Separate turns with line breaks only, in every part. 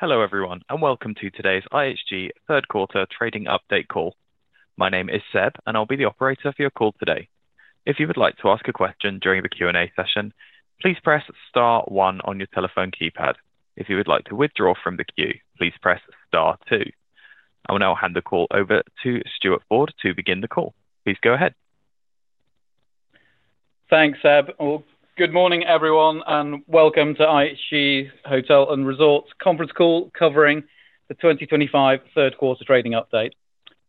Hello everyone, and welcome to today's IHG third quarter trading update call. My name is Seb, and I'll be the operator for your call today. If you would like to ask a question during the Q&A session, please press star one on your telephone keypad. If you would like to withdraw from the queue, please press star one. I will now hand the call over to Stuart Ford to begin the call. Please go ahead.
Thanks, Seb. Good morning everyone, and welcome to IHG Hotels & Resorts conference call covering the 2025 third quarter trading update.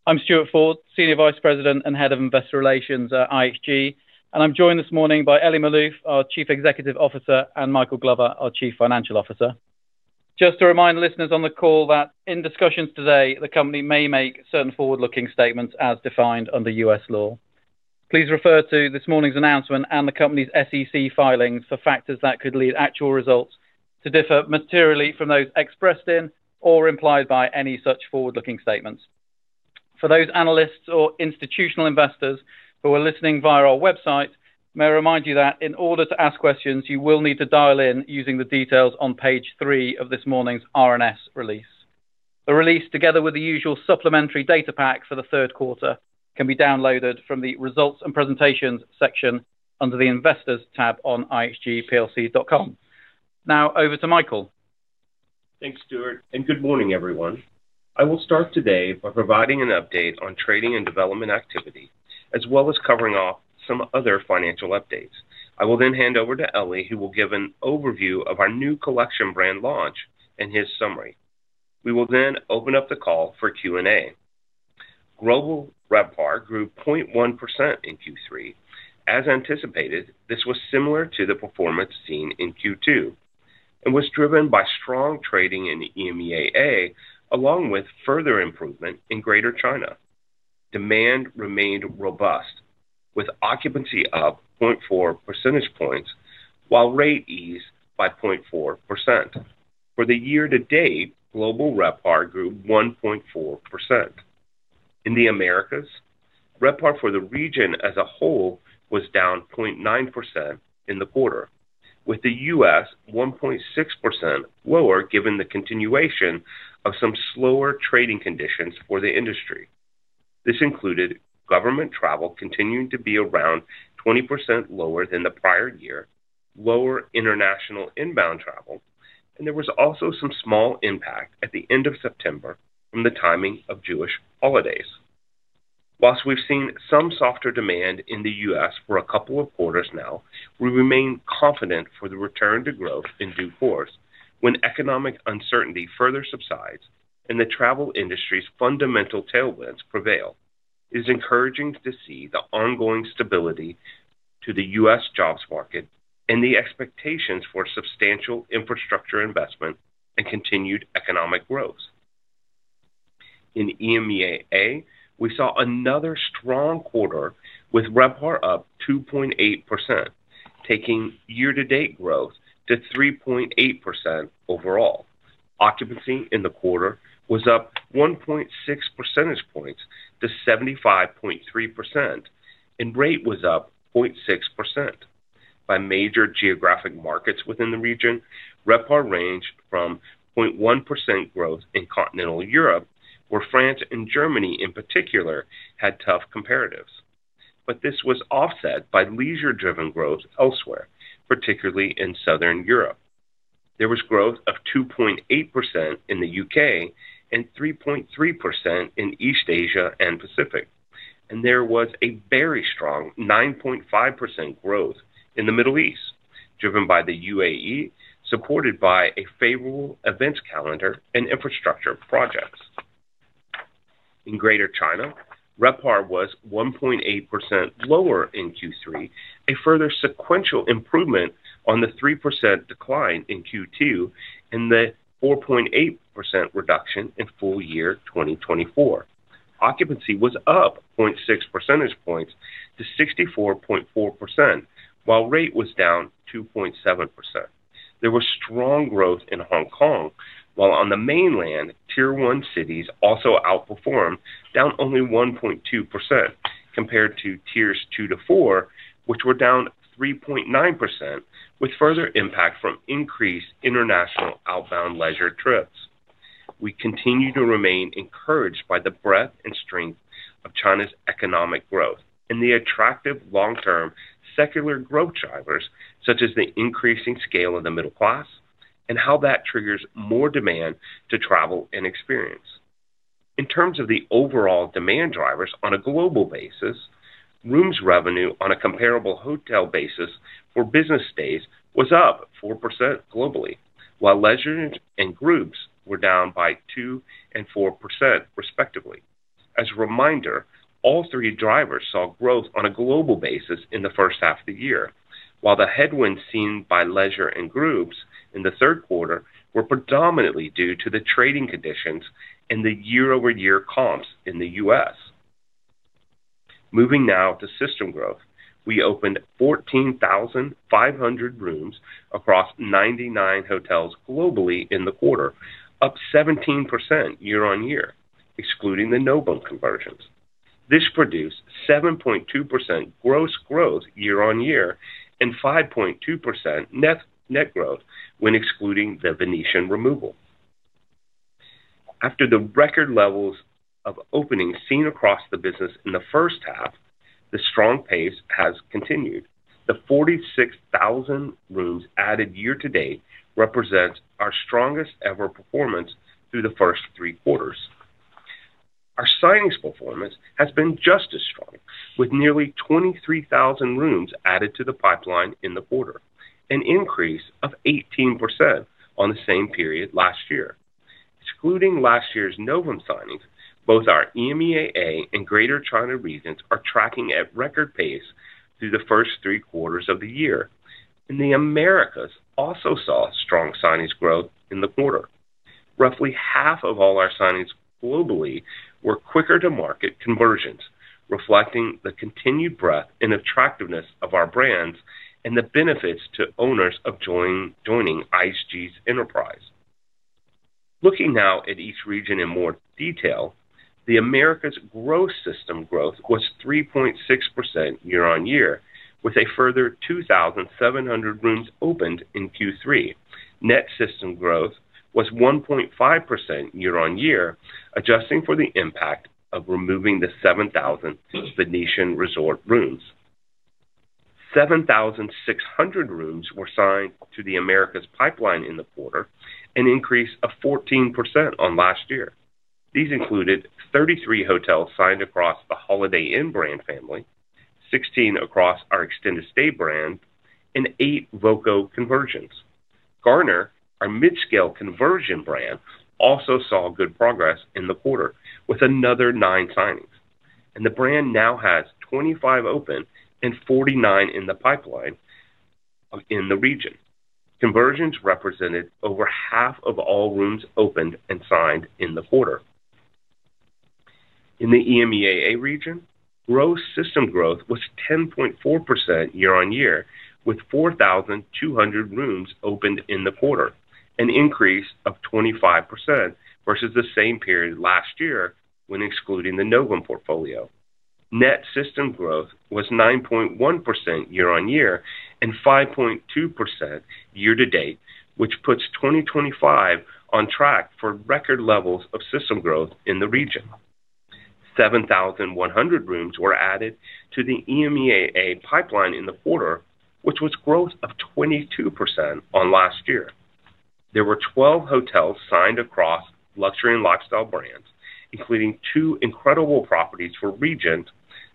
I'm Stuart Ford, Senior Vice President and Head of Investor Relations at IHG, and I'm joined this morning by Elie Maalouf, our Chief Executive Officer, and Michael Glover, our Chief Financial Officer. Just to remind the listeners on the call that in discussions today, the company may make certain forward-looking statements as defined under U.S. law. Please refer to this morning's announcement and the company's SEC filings for factors that could lead actual results to differ materially from those expressed in or implied by any such forward-looking statements. For those analysts or institutional investors who are listening via our website, may I remind you that in order to ask questions, you will need to dial in using the details on page three of this morning's RNS release. The release, together with the usual supplementary data pack for the third quarter, can be downloaded from the Results and Presentations section under the Investors tab on ihgplc.com. Now over to Michael.
Thanks, Stuart, and good morning everyone. I will start today by providing an update on trading and development activity, as well as covering off some other financial updates. I will then hand over to Elie, who will give an overview of our new collection brand launch and his summary. We will then open up the call for Q&A. Global RevPAR grew 0.1% in Q3. As anticipated, this was similar to the performance seen in Q2 and was driven by strong trading in EMEA-A along with further improvement in Greater China. Demand remained robust, with occupancy up 0.4 percentage points, while rate eased by 0.4%. For the year to date, global RevPAR grew 1.4%. In the Americas, RevPAR for the region as a whole was down 0.9% in the quarter, with the U.S. 1.6% lower given the continuation of some slower trading conditions for the industry. This included government travel continuing to be around 20% lower than the prior year, lower international inbound travel, and there was also some small impact at the end of September from the timing of Jewish holidays. Whilst we've seen some softer demand in the U.S. for a couple of quarters now, we remain confident for the return to growth in due course when economic uncertainty further subsides and the travel industry's fundamental tailwinds prevail. It is encouraging to see the ongoing stability to the U.S. jobs market and the expectations for substantial infrastructure investment and continued economic growth. In EMEA-A, we saw another strong quarter with RevPAR up 2.8%, taking year-to-date growth to 3.8% overall. Occupancy in the quarter was up 1.6 percentage points to 75.3%, and rate was up 0.6%. By major geographic markets within the region, RevPAR ranged from 0.1% growth in continental Europe, where France and Germany in particular had tough comparatives. This was offset by leisure-driven growth elsewhere, particularly in southern Europe. There was growth of 2.8% in the U.K. and 3.3% in East Asia and Pacific, and there was a very strong 9.5% growth in the Middle East, driven by the UAE, supported by a favorable events calendar and infrastructure projects. In Greater China, RevPAR was 1.8% lower in Q3, a further sequential improvement on the 3% decline in Q2 and the 4.8% reduction in full year 2024. Occupancy was up 0.6 percentage points to 64.4%, while rate was down 2.7%. There was strong growth in Hong Kong, while on the mainland, Tier one cities also outperformed, down only 1.2% compared to Tiers two to four, which were down 3.9%, with further impact from increased international outbound leisure trips. We continue to remain encouraged by the breadth and strength of China's economic growth and the attractive long-term secular growth drivers, such as the increasing scale of the middle class and how that triggers more demand to travel and experience. In terms of the overall demand drivers on a global basis, rooms revenue on a comparable hotel basis for business days was up 4% globally, while leisure and groups were down by 2% and 4% respectively. As a reminder, all three drivers saw growth on a global basis in the first half of the year, while the headwinds seen by leisure and groups in the third quarter were predominantly due to the trading conditions and the year-over-year comps in the U.S. Moving now to system growth, we opened 14,500 rooms across 99 hotels globally in the quarter, up 17% year-on-year, excluding the NOVUM conversions. This produced 7.2% gross growth year-on-year and 5.2% net growth when excluding the Venetian removal. After the record levels of openings seen across the business in the first half, the strong pace has continued. The 46,000 rooms added year to date represent our strongest ever performance through the first three quarters. Our signings performance has been just as strong, with nearly 23,000 rooms added to the pipeline in the quarter, an increase of 18% on the same period last year. Excluding last year's NOVUM signings, both our EMEA-A and Greater China regions are tracking at record pace through the first three quarters of the year. In the Americas, we also saw strong signings growth in the quarter. Roughly half of all our signings globally were quicker-to-market conversions, reflecting the continued breadth and attractiveness of our brands and the benefits to owners of joining IHG's enterprise. Looking now at each region in more detail, the Americas' gross system growth was 3.6% year-on-year, with a further 2,700 rooms opened in Q3. Net system growth was 1.5% year-on-year, adjusting for the impact of removing the 7,000 Venetian resort rooms. 7,600 rooms were signed to the Americas pipeline in the quarter, an increase of 14% on last year. These included 33 hotels signed across the Holiday Inn brand family, 16 across our extended stay brand, and 8 Voco conversions. Garner, our mid-scale conversion brand, also saw good progress in the quarter with another 9 signings, and the brand now has 25 open and 49 in the pipeline in the region. Conversions represented over half of all rooms opened and signed in the quarter. In the EMEA-A region, gross system growth was 10.4% year-on-year with 4,200 rooms opened in the quarter, an increase of 25% versus the same period last year when excluding the NOVUM portfolio. Net system growth was 9.1% year-on-year and 5.2% year to date, which puts 2025 on track for record levels of system growth in the region. 7,100 rooms were added to the EMEA-A pipeline in the quarter, which was growth of 22% on last year. There were 12 hotels signed across luxury and lifestyle brands, including two incredible properties for Regent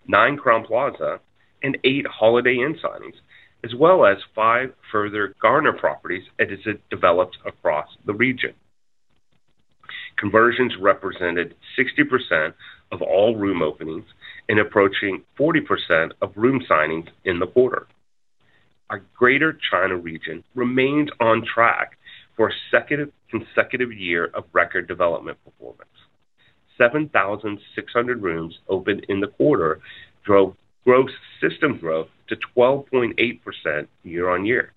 Nine Plaza and eight Holiday Inn signings, as well as five further Garner properties as it developed across the region. Conversions represented 60% of all room openings and approaching 40% of room signings in the quarter. Our Greater China region remains on track for a consecutive year of record development performance. 7,600 rooms opened in the quarter drove gross system growth to 12.8% year-on-year.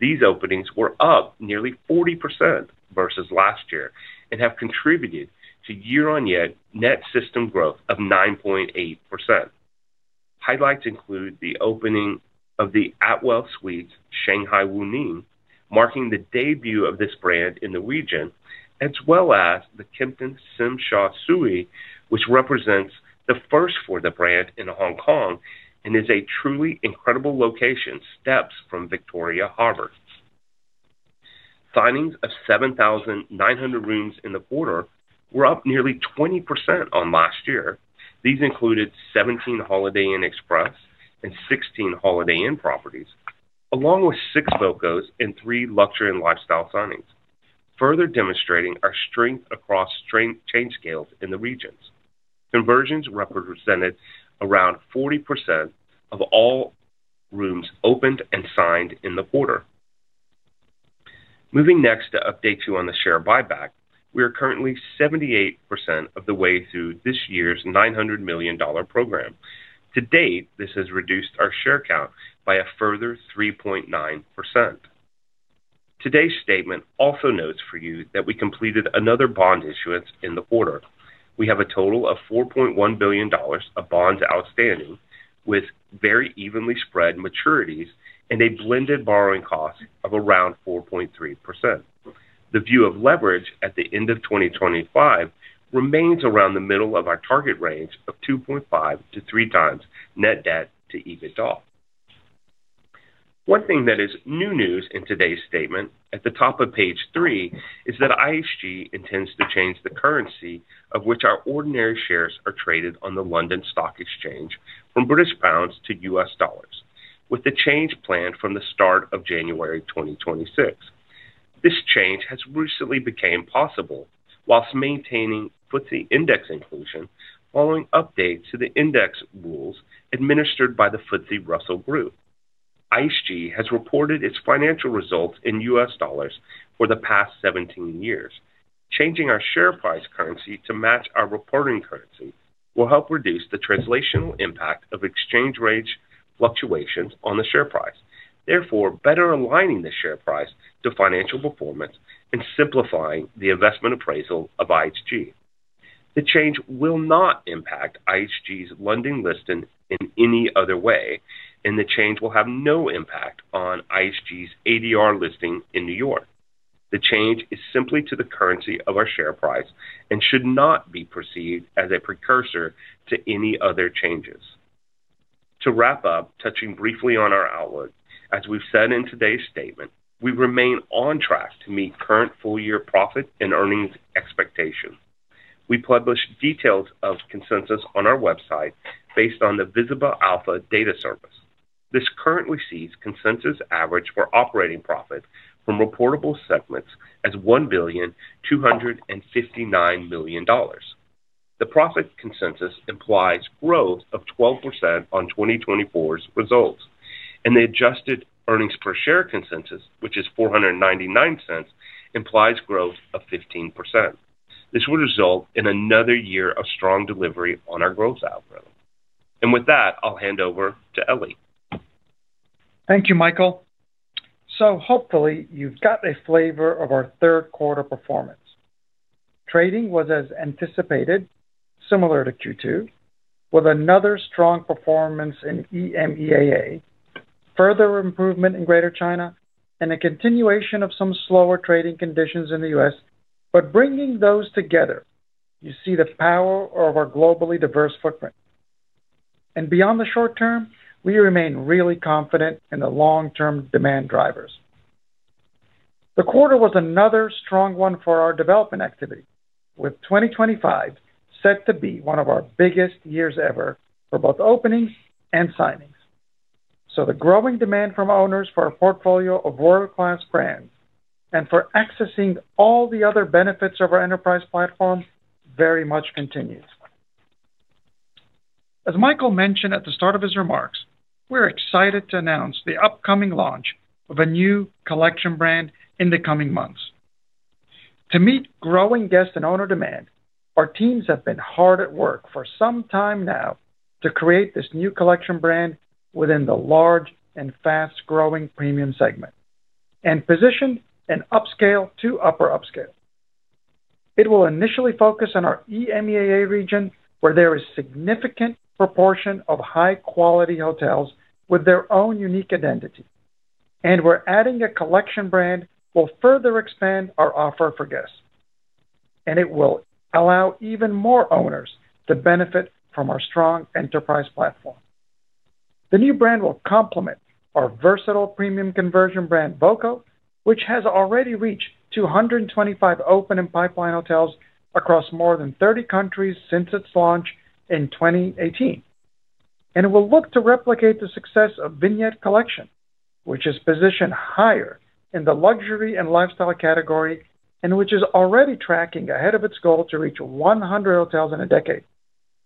These openings were up nearly 40% versus last year and have contributed to year-on-year net system growth of 9.8%. Highlights include the opening of the Atwell Suites, Shanghai Wuning, marking the debut of this brand in the region, as well as the Kimpton Tsim Sha Tsui, which represents the first for the brand in Hong Kong and is a truly incredible location steps from Victoria Harbour. Signings of 7,900 rooms in the quarter were up nearly 20% on last year. These included 17 Holiday Inn Express and 16 Holiday Inn properties, along with six Voco and three luxury and lifestyle signings, further demonstrating our strength across chain scales in the regions. Conversions represented around 40% of all rooms opened and signed in the quarter. Moving next to update you on the share buyback, we are currently 78% of the way through this year's $900 million program. To date, this has reduced our share count by a further 3.9%. Today's statement also notes for you that we completed another bond issuance in the quarter. We have a total of $4.1 billion of bonds outstanding, with very evenly spread maturities and a blended borrowing cost of around 4.3%. The view of leverage at the end of 2025 remains around the middle of our target range of 2.5x to 3x net debt to EBITDA. One thing that is new news in today's statement at the top of page three is that IHG intends to change the currency of which our ordinary shares are traded on the London Stock Exchange from British pounds to U.S. dollars, with the change planned from the start of January 2026. This change has recently become possible whilst maintaining FTSE Index inclusion following updates to the index rules administered by the FTSE Russell Group. IHG has reported its financial results in U.S. dollars for the past 17 years. Changing our share price currency to match our reporting currency will help reduce the translational impact of exchange rate fluctuations on the share price, therefore better aligning the share price to financial performance and simplifying the investment appraisal of IHG. The change will not impact IHG's London listing in any other way, and the change will have no impact on IHG's ADR listing in New York. The change is simply to the currency of our share price and should not be perceived as a precursor to any other changes. To wrap up, touching briefly on our outlook, as we've said in today's statement, we remain on track to meet current full-year profit and earnings expectations. We publish details of consensus on our website based on the Visible Alpha Data Service. This currently sees consensus average for operating profits from reportable segments as $1,259,000,000. The profit consensus implies growth of 12% on 2024's results, and the adjusted earnings per share consensus, which is $0.499, implies growth of 15%. This would result in another year of strong delivery on our growth algorithm. With that, I'll hand over to Elie.
Thank you, Michael. Hopefully, you've got a flavor of our third quarter performance. Trading was as anticipated, similar to Q2, with another strong performance in EMEA-A, further improvement in Greater China, and a continuation of some slower trading conditions in the U.S. Bringing those together, you see the power of our globally diverse footprint. Beyond the short term, we remain really confident in the long-term demand drivers. The quarter was another strong one for our development activity, with 2025 set to be one of our biggest years ever for both openings and signings. The growing demand from owners for a portfolio of world-class brands and for accessing all the other benefits of our enterprise platform very much continues. As Michael mentioned at the start of his remarks, we're excited to announce the upcoming launch of a new collection brand in the coming months. To meet growing guest and owner demand, our teams have been hard at work for some time now to create this new collection brand within the large and fast-growing premium segment and positioned in upscale to upper upscale. It will initially focus on our EMEA-A region, where there is a significant proportion of high-quality hotels with their own unique identity. We're adding a collection brand that will further expand our offer for guests, and it will allow even more owners to benefit from our strong enterprise platform. The new brand will complement our versatile premium conversion brand Voco, which has already reached 225 open and pipeline hotels across more than 30 countries since its launch in 2018. It will look to replicate the success of Vignette Collection, which is positioned higher in the luxury and lifestyle category and which is already tracking ahead of its goal to reach 100 hotels in a decade,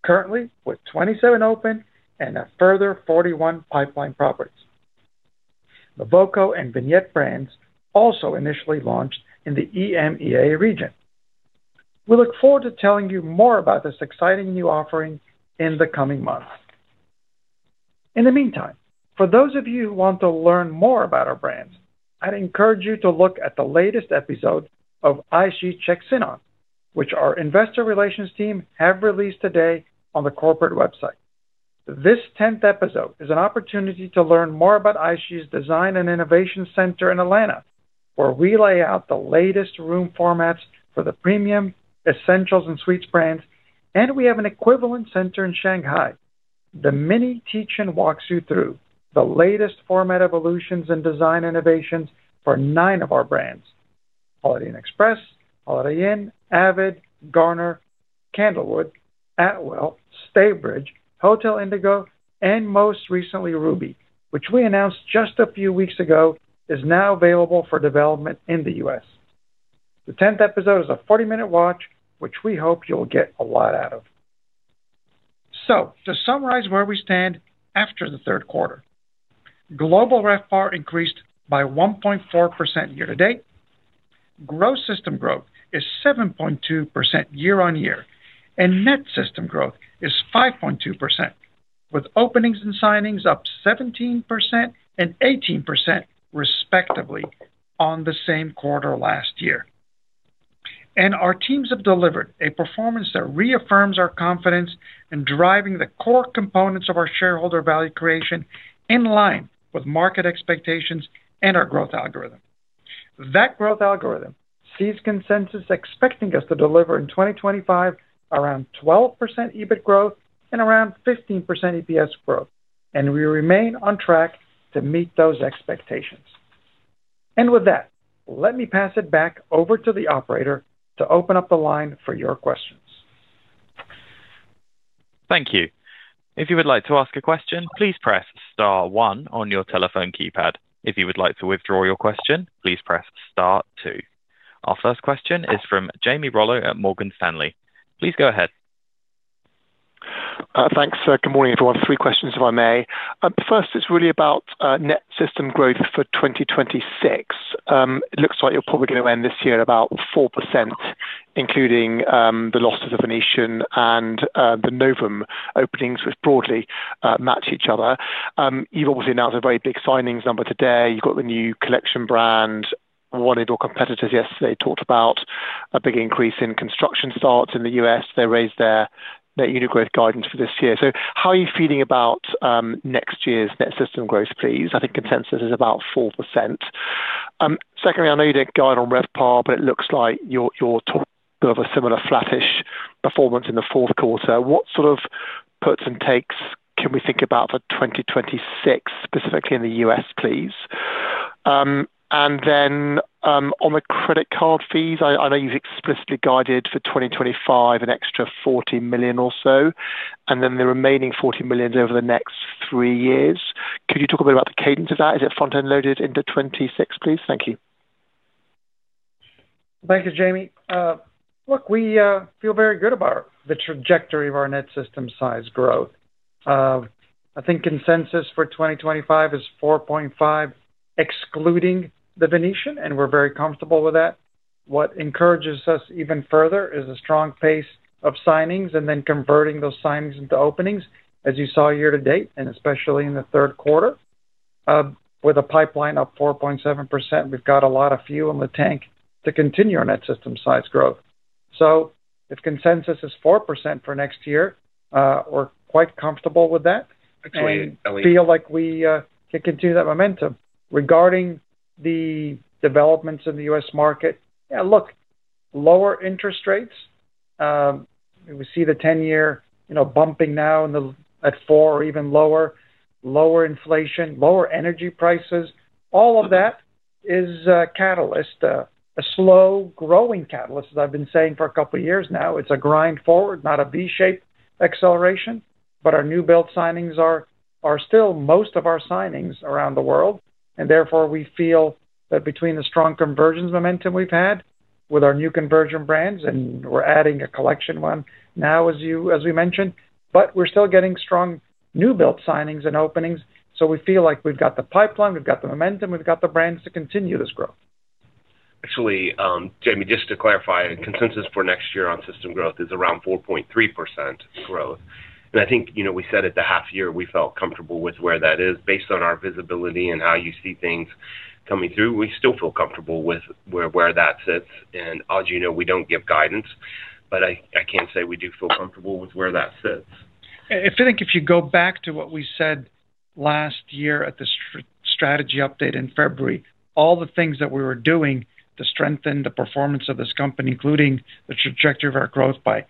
currently with 27 open and a further 41 pipeline properties. The Voco and Vignette brands also initially launched in the EMEA region. We look forward to telling you more about this exciting new offering in the coming months. In the meantime, for those of you who want to learn more about our brands, I'd encourage you to look at the latest episode of IHG Check-In On, which our Investor Relations team has released today on the corporate website. This 10th episode is an opportunity to learn more about IHG's Design and Innovation Center in Atlanta, where we lay out the latest room formats for the Premium, Essentials, and Suites brands, and we have an equivalent center in Shanghai. The mini teach-in walks you through the latest format evolutions and design innovations for nine of our brands: Holiday Inn Express, Avid, Garner, Candlewood, Atwell, Staybridge, Hotel Indigo, and most recently, Ruby, which we announced just a few weeks ago is now available for development in the U.S. The 10th episode is a 40-minute watch, which we hope you'll get a lot out of. To summarize where we stand after the third quarter, global RevPAR increased by 1.4% year to date, gross system growth is 7.2% year-on-year, and net system growth is 5.2%, with openings and signings up 17% and 18% respectively on the same quarter last year. Our teams have delivered a performance that reaffirms our confidence in driving the core components of our shareholder value creation in line with market expectations and our growth algorithm. That growth algorithm sees consensus expecting us to deliver in 2025 around 12% EBIT growth and around 15% EPS growth, and we remain on track to meet those expectations. Let me pass it back over to the operator to open up the line for your questions.
Thank you. If you would like to ask a question, please press star one on your telephone keypad. If you would like to withdraw your question, please press star two. Our first question is from Jamie Rollo at Morgan Stanley. Please go ahead.
Thanks. Good morning, everyone. Three questions, if I may. First, it's really about net system growth for 2026. It looks like you're probably going to end this year at about 4%, including the losses of Venetian and the NOVUM openings, which broadly match each other. You've obviously announced a very big signings number today. You've got the new collection brand. One of your competitors yesterday talked about a big increase in construction starts in the U.S. They raised their net unit growth guidance for this year. How are you feeling about next year's net system growth, please? I think consensus is about 4%. Secondly, I know you don't guide on RevPAR, but it looks like you're talking of a similar flattish performance in the fourth quarter. What sort of puts and takes can we think about for 2026, specifically in the U.S., please? On the credit card fees, I know you've explicitly guided for 2025 an extra $40 million or so, and then the remaining $40 million over the next three years. Could you talk a bit about the cadence of that? Is it front-end loaded into 2026, please? Thank you.
Thank you, Jamie. Look, we feel very good about the trajectory of our net system size growth. I think consensus for 2025 is 4.5%, excluding the Venetian, and we're very comfortable with that. What encourages us even further is a strong pace of signings and then converting those signings into openings, as you saw year to date, especially in the third quarter. With a pipeline up 4.7%, we've got a lot of fuel in the tank to continue our net system size growth. If consensus is 4% for next year, we're quite comfortable with that. I feel like we can continue that momentum. Regarding the developments in the U.S. market, yeah, look, lower interest rates. We see the 10-year bumping now at 4% or even lower. Lower inflation, lower energy prices. All of that is a catalyst, a slow-growing catalyst, as I've been saying for a couple of years now. It's a grind forward, not a V-shaped acceleration. Our new build signings are still most of our signings around the world. Therefore, we feel that between the strong conversions momentum we've had with our new conversion brands, and we're adding a collection one now, as we mentioned, we're still getting strong new build signings and openings. We feel like we've got the pipeline, we've got the momentum, we've got the brands to continue this growth.
Actually, Jamie, just to clarify, consensus for next year on system growth is around 4.3% growth. I think we said at the half-year we felt comfortable with where that is based on our visibility and how you see things coming through. We still feel comfortable with where that sits. As you know, we don't give guidance, but I can say we do feel comfortable with where that sits.
I think if you go back to what we said last year at the strategy update in February, all the things that we were doing to strengthen the performance of this company, including the trajectory of our growth by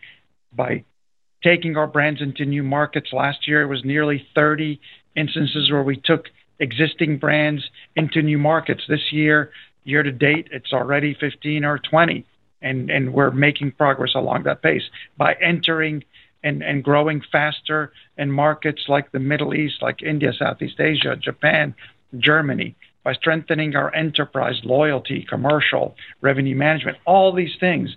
taking our brands into new markets. Last year, it was nearly 30 instances where we took existing brands into new markets. This year, year to date, it's already 15 or 20, and we're making progress along that pace by entering and growing faster in markets like the Middle East, like India, Southeast Asia, Japan, Germany, by strengthening our enterprise loyalty, commercial revenue management. All these things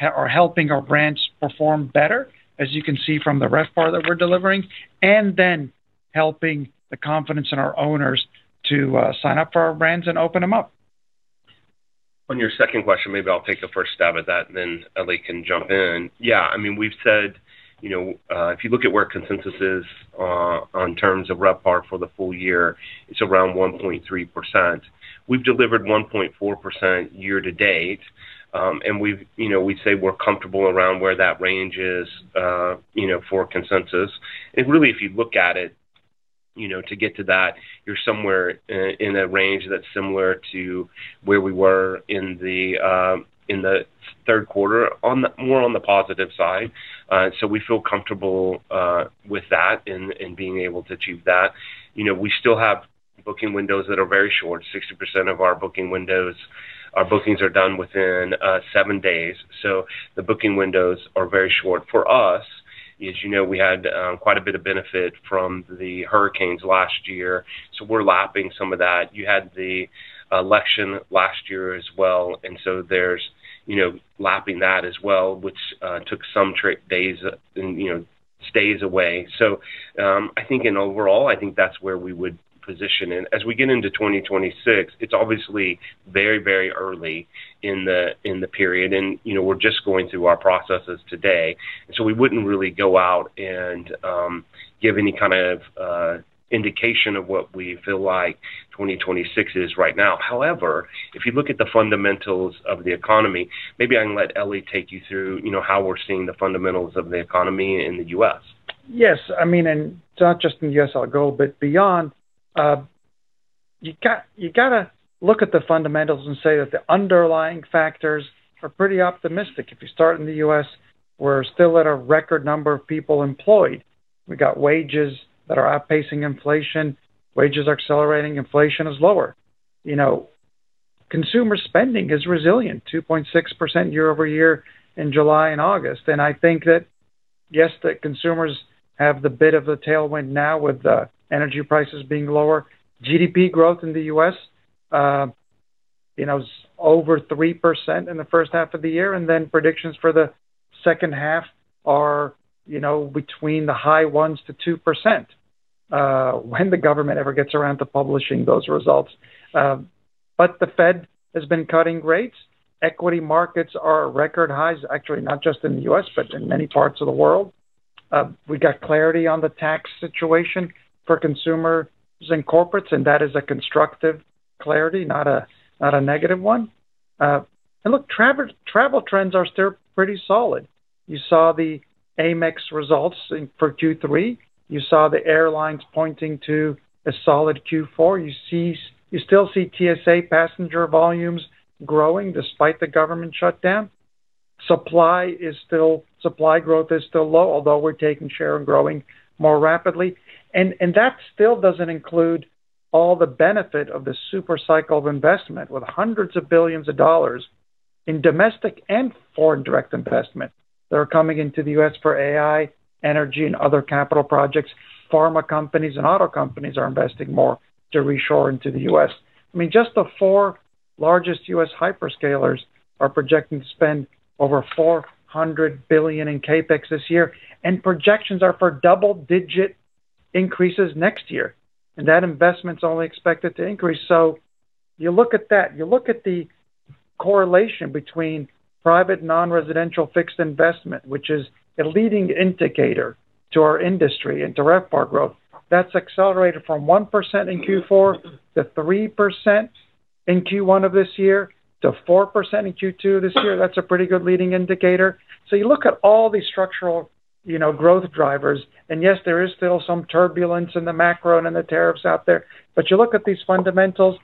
are helping our brands perform better, as you can see from the RevPAR that we're delivering, and then helping the confidence in our owners to sign up for our brands and open them up.
On your second question, maybe I'll take the first stab at that, and then Elie can jump in. Yeah, I mean, we've said, you know, if you look at where consensus is on terms of RevPAR for the full year, it's around 1.3%. We've delivered 1.4% year to date, and we'd say we're comfortable around where that range is for consensus. If you look at it, you know, to get to that, you're somewhere in a range that's similar to where we were in the third quarter, more on the positive side. We feel comfortable with that and being able to achieve that. You know, we still have booking windows that are very short. 60% of our booking windows, our bookings are done within seven days. The booking windows are very short. For us, as you know, we had quite a bit of benefit from the hurricanes last year. We're lapping some of that. You had the election last year as well, and there's lapping that as well, which took some days and stays away. I think, and overall, I think that's where we would position. As we get into 2026, it's obviously very, very early in the period, and you know, we're just going through our processes today. We wouldn't really go out and give any kind of indication of what we feel like 2026 is right now. However, if you look at the fundamentals of the economy, maybe I can let Elie take you through, you know, how we're seeing the fundamentals of the economy in the U.S.
Yes, I mean, and not just in the U.S., our goal, but beyond, you got to look at the fundamentals and say that the underlying factors are pretty optimistic. If you start in the U.S., we're still at a record number of people employed. We've got wages that are outpacing inflation. Wages are accelerating. Inflation is lower. You know, consumer spending is resilient, 2.6% year-over-year in July and August. I think that, yes, the consumers have the bit of a tailwind now with the energy prices being lower. GDP growth in the U.S., you know, is over 3% in the first half of the year. Predictions for the second half are, you know, between the high 1s to 2% when the government ever gets around to publishing those results. The Fed has been cutting rates. Equity markets are at record highs, actually not just in the U.S., but in many parts of the world. We've got clarity on the tax situation for consumers and corporates, and that is a constructive clarity, not a negative one. Look, travel trends are still pretty solid. You saw the AMEX results for Q3. You saw the airlines pointing to a solid Q4. You still see TSA passenger volumes growing despite the government shutdown. Supply growth is still low, although we're taking share and growing more rapidly. That still doesn't include all the benefit of the supercycle of investment with hundreds of billions of dollars in domestic and foreign direct investment that are coming into the U.S. for AI, energy, and other capital projects. Pharma companies and auto companies are investing more to reshore into the U.S. I mean, just the four largest U.S. Hyperscalers are projecting to spend over $400 billion in CapEx this year, and projections are for double-digit increases next year. That investment's only expected to increase. You look at that, you look at the correlation between private non-residential fixed investment, which is a leading indicator to our industry and to RevPAR growth. That's accelerated from 1% in Q4 to 3% in Q1 of this year to 4% in Q2 this year. That's a pretty good leading indicator. You look at all these structural growth drivers, and yes, there is still some turbulence in the macro and in the tariffs out there. You look at these fundamentals,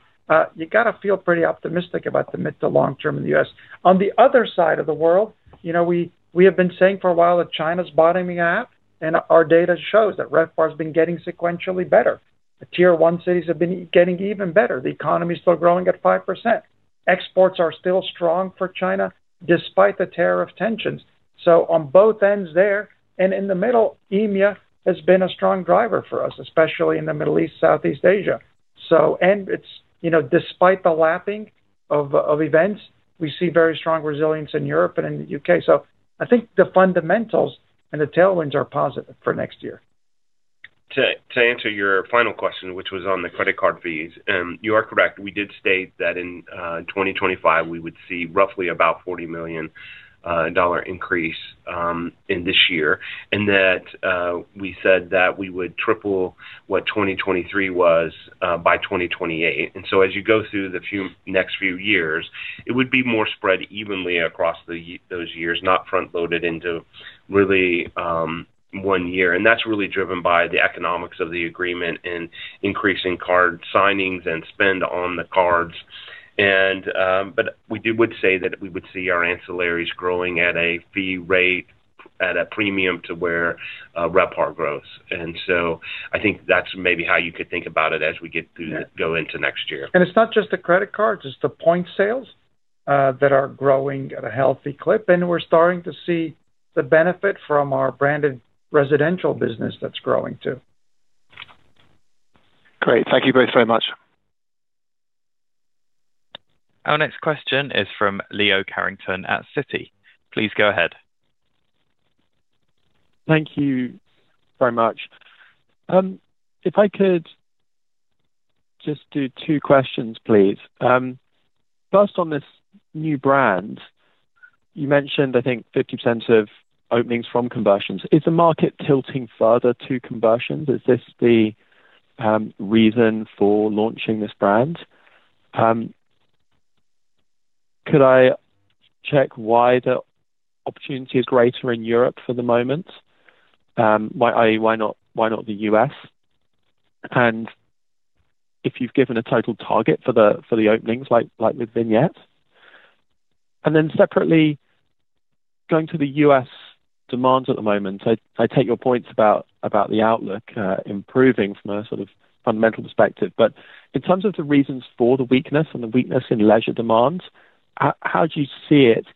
you got to feel pretty optimistic about the mid to long term in the U.S. On the other side of the world, you know, we have been saying for a while that China's bottoming out, and our data shows that RevPAR has been getting sequentially better. Tier one cities have been getting even better. The economy is still growing at 5%. Exports are still strong for China despite the tariff tensions. On both ends there, and in the middle, EMEA has been a strong driver for us, especially in the Middle East, Southeast Asia. It's, you know, despite the lapping of events, we see very strong resilience in Europe and in the U.K. I think the fundamentals and the tailwinds are positive for next year.
To answer your final question, which was on the credit card fees, you are correct. We did state that in 2025, we would see roughly about $40 million increase in this year, and that we said that we would triple what 2023 was by 2028. As you go through the next few years, it would be more spread evenly across those years, not front-loaded into really one year. That is really driven by the economics of the agreement and increasing card signings and spend on the cards. We would say that we would see our ancillaries growing at a fee rate, at a premium to where RevPAR grows. I think that's maybe how you could think about it as we go into next year.
It's not just the credit cards, it's the point sales that are growing at a healthy clip, and we're starting to see the benefit from our branded residential business that's growing too.
Great. Thank you both very much.
Our next question is from Leo Carrington at Citi. Please go ahead.
Thank you very much. If I could just do two questions, please. First, on this new brand, you mentioned, I think, 50% of openings from conversions. Is the market tilting further to conversions? Is this the reason for launching this brand? Could I check why the opportunity is greater in Europe for the moment? Why not the U.S.? If you've given a total target for the openings, like with Vignette. Then separately, going to the U.S. demands at the moment, I take your points about the outlook improving from a sort of fundamental perspective. In terms of the reasons for the weakness and the weakness in leisure demands, how do you see it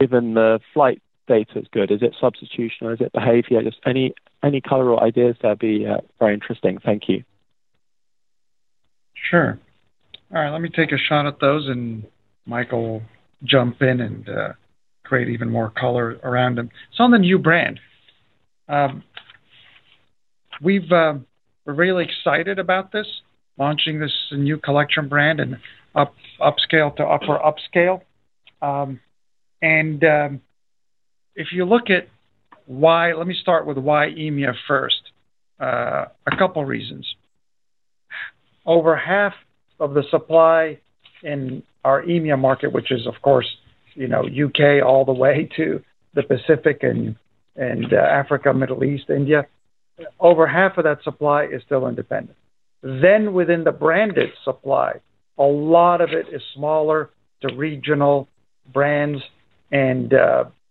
given the flight data is good? Is it substitutional? Is it behavior? Just any color or ideas there would be very interesting. Thank you.
Sure. All right. Let me take a shot at those, and Michael will jump in and create even more color around them. On the new brand, we're really excited about this, launching this new collection brand in upscale to upper upscale. If you look at why, let me start with why EMEA first. A couple of reasons. Over half of the supply in our EMEA market, which is, of course, you know, U.K. all the way to the Pacific and Africa, Middle East, India, over half of that supply is still independent. Within the branded supply, a lot of it is smaller to regional brands that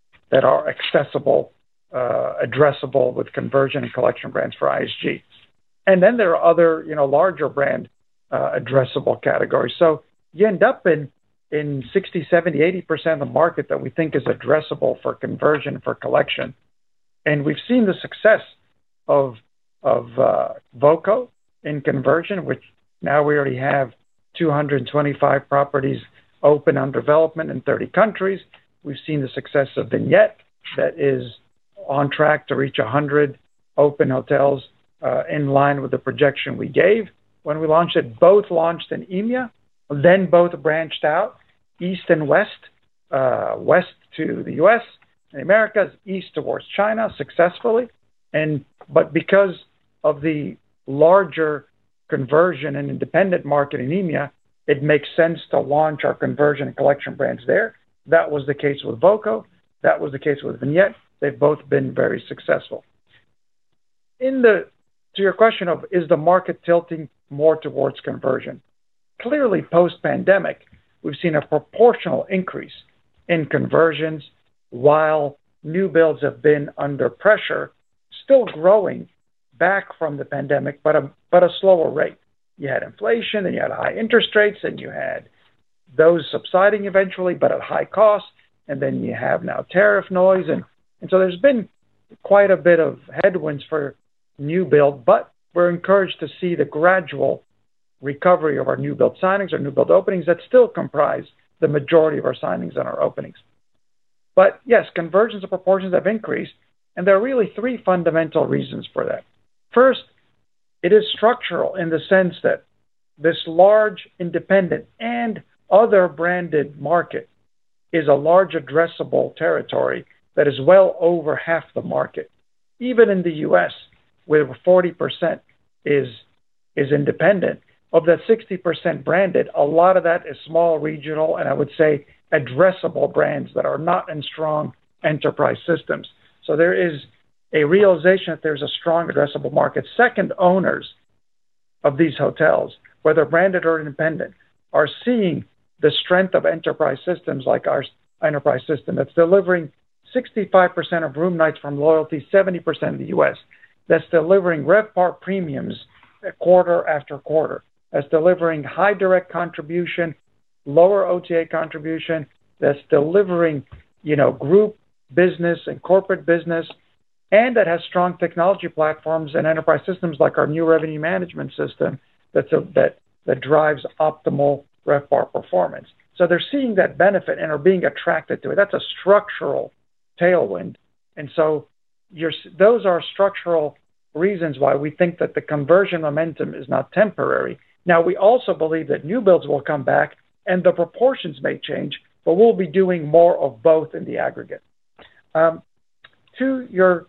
are accessible, addressable with conversion and collection brands for IHG. There are other, you know, larger brand addressable categories. You end up in 60%, 70%, 80% of the market that we think is addressable for conversion and for collection. We've seen the success of Voco in conversion, which now we already have 225 properties open or in development in 30 countries. We've seen the success of Vignette that is on track to reach 100 open hotels in line with the projection we gave when we launched it. Both launched in EMEA, then both branched out east and west, west to the U.S. and the Americas, east towards China successfully. Because of the larger conversion and independent market in EMEA, it makes sense to launch our conversion and collection brands there. That was the case with Voco. That was the case with Vignette. They've both been very successful. To your question of is the market tilting more towards conversion, clearly post-pandemic, we've seen a proportional increase in conversions while new builds have been under pressure, still growing back from the pandemic, but at a slower rate. You had inflation, then you had high interest rates, and you had those subsiding eventually, but at high cost. You have now tariff noise. There has been quite a bit of headwinds for new build, but we're encouraged to see the gradual recovery of our new build signings or new build openings that still comprise the majority of our signings and our openings. Yes, conversions of proportions have increased, and there are really three fundamental reasons for that. First, it is structural in the sense that this large independent and other branded market is a large addressable territory that is well over half the market. Even in the U.S., where 40% is independent, of that 60% branded, a lot of that is small regional, and I would say addressable brands that are not in strong enterprise systems. There is a realization that there's a strong addressable market. Second, owners of these hotels, whether branded or independent, are seeing the strength of enterprise systems like our enterprise system that's delivering 65% of room nights from loyalty, 70% in the U.S., that's delivering RevPAR premiums quarter after quarter, that's delivering high direct contribution, lower OTA contribution, that's delivering group business and corporate business, and that has strong technology platforms and enterprise systems like our new revenue management system that drives optimal RevPAR performance. They are seeing that benefit and are being attracted to it. That's a structural tailwind. Those are structural reasons why we think that the conversion momentum is not temporary. We also believe that new builds will come back and the proportions may change, but we'll be doing more of both in the aggregate. To your question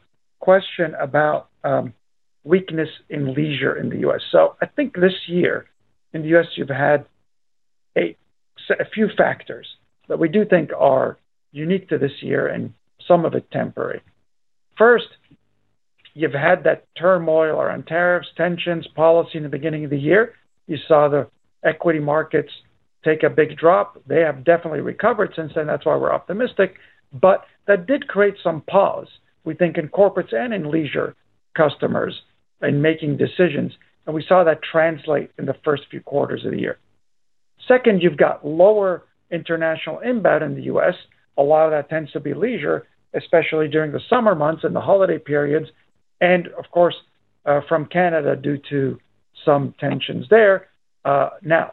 about weakness in leisure in the U.S., I think this year in the U.S., you've had a few factors that we do think are unique to this year and some of it temporary. First, you've had that turmoil around tariffs, tensions, policy in the beginning of the year. You saw the equity markets take a big drop. They have definitely recovered since then. That's why we're optimistic. That did create some pause, we think, in corporates and in leisure customers in making decisions. We saw that translate in the first few quarters of the year. Second, you've got lower international inbound in the U.S. A lot of that tends to be leisure, especially during the summer months and the holiday periods, and of course, from Canada due to some tensions there. That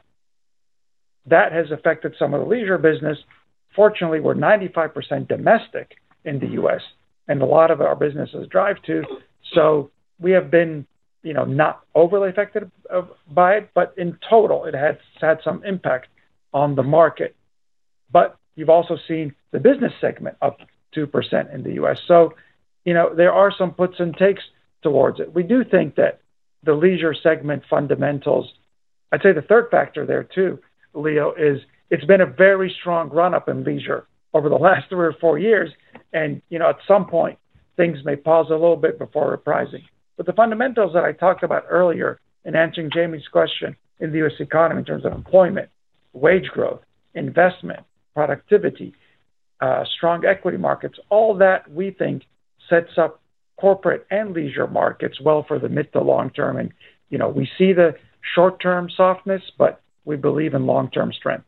has affected some of the leisure business. Fortunately, we're 95% domestic in the U.S., and a lot of our business is drive to. We have been not overly affected by it, but in total, it has had some impact on the market. You've also seen the business segment up 2% in the U.S. There are some puts and takes towards it. We do think that the leisure segment fundamentals, I'd say the third factor there too, Leo, is it's been a very strong run-up in leisure over the last three or four years. At some point, things may pause a little bit before reprising. The fundamentals that I talked about earlier in answering Jamie's question in the U.S. economy in terms of employment, wage growth, investment, productivity, strong equity markets, all that we think sets up corporate and leisure markets well for the mid to long term. We see the short-term softness, but we believe in long-term strength.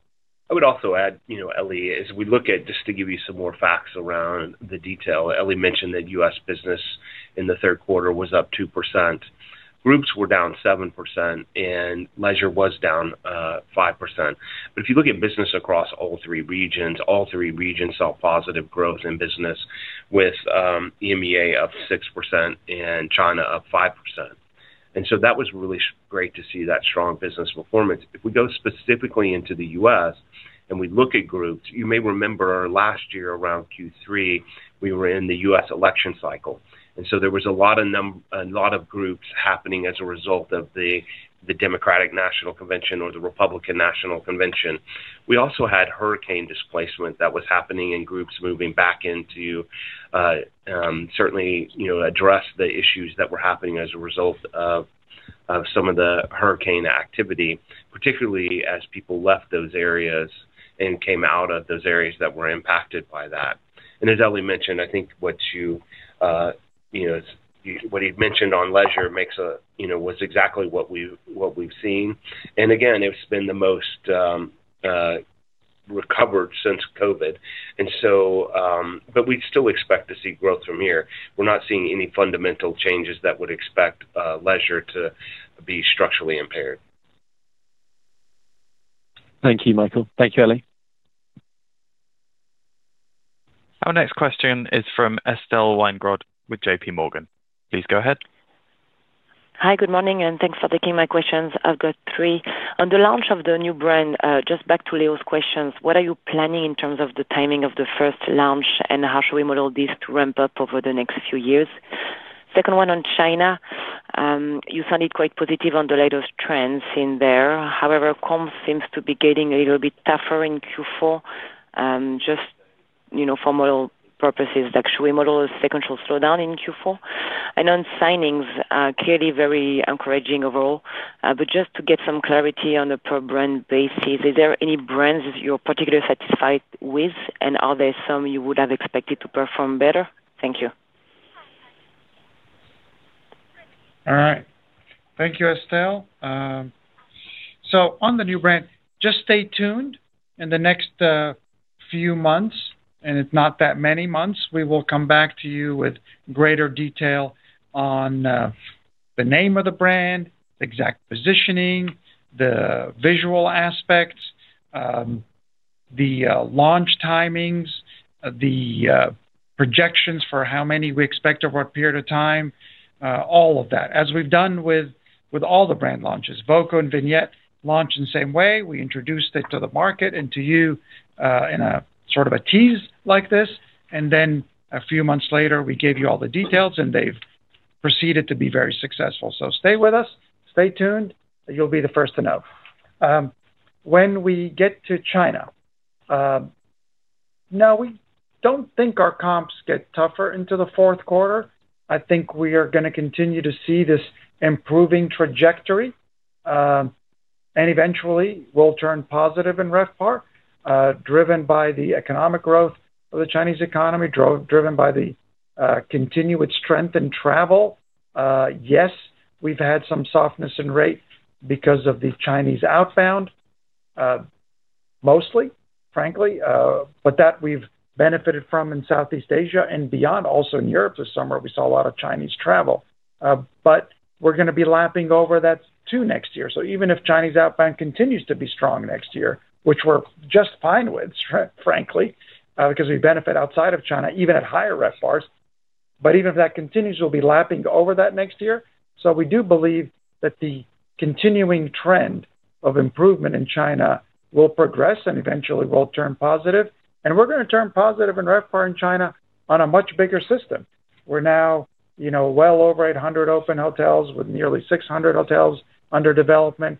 I would also add, you know, Elie, as we look at, just to give you some more facts around the detail, Elie mentioned that U.S. business in the third quarter was up 2%. Groups were down 7%, and leisure was down 5%. If you look at business across all three regions, all three regions saw positive growth in business, with EMEA-A up 6% and Greater China up 5%. That was really great to see that strong business performance. If we go specifically into the U.S. and we look at groups, you may remember last year around Q3, we were in the U.S. election cycle. There was a lot of groups happening as a result of the Democratic National Convention or the Republican National Convention. We also had hurricane displacement that was happening and groups moving back in to certainly address the issues that were happening as a result of some of the hurricane activity, particularly as people left those areas and came out of those areas that were impacted by that. As Elie mentioned, I think what you mentioned on leisure was exactly what we've seen. It's been the most recovered since COVID, and we'd still expect to see growth from here. We're not seeing any fundamental changes that would expect leisure to be structurally impaired.
Thank you, Michael. Thank you, Elie.
Our next question is from Estelle Weingrod with JP Morgan. Please go ahead.
Hi, good morning, and thanks for taking my questions. I've got three. On the launch of the new brand, just back to Leo's questions, what are you planning in terms of the timing of the first launch, and how should we model this to ramp up over the next few years? Second one on China, you sounded quite positive on the latest trends in there. However, comms seems to be getting a little bit tougher in Q4. Just for model purposes, should we model a sequential slowdown in Q4? On signings, clearly very encouraging overall. Just to get some clarity on the per brand basis, are there any brands you're particularly satisfied with, and are there some you would have expected to perform better? Thank you.
All right. Thank you, Estelle. On the new brand, just stay tuned in the next few months, and it's not that many months. We will come back to you with greater detail on the name of the brand, the exact positioning, the visual aspects, the launch timings, the projections for how many we expect over a period of time, all of that, as we've done with all the brand launches. Voco and Vignette launched in the same way. We introduced it to the market and to you in a sort of a tease like this. A few months later, we gave you all the details, and they've proceeded to be very successful. Stay with us. Stay tuned. You'll be the first to know. When we get to China, no, we don't think our comps get tougher into the fourth quarter. I think we are going to continue to see this improving trajectory, and eventually we'll turn positive in RevPAR, driven by the economic growth of the Chinese economy, driven by the continued strength in travel. Yes, we've had some softness in rate because of the Chinese outbound, mostly, frankly, but that we've benefited from in Southeast Asia and beyond, also in Europe. This summer we saw a lot of Chinese travel. We're going to be lapping over that too next year. Even if Chinese outbound continues to be strong next year, which we're just fine with, frankly, because we benefit outside of China, even at higher RevPARs, even if that continues, we'll be lapping over that next year. We do believe that the continuing trend of improvement in China will progress and eventually we'll turn positive. We're going to turn positive in RevPAR in China on a much bigger system. We're now well over 800 open hotels with nearly 600 hotels under development,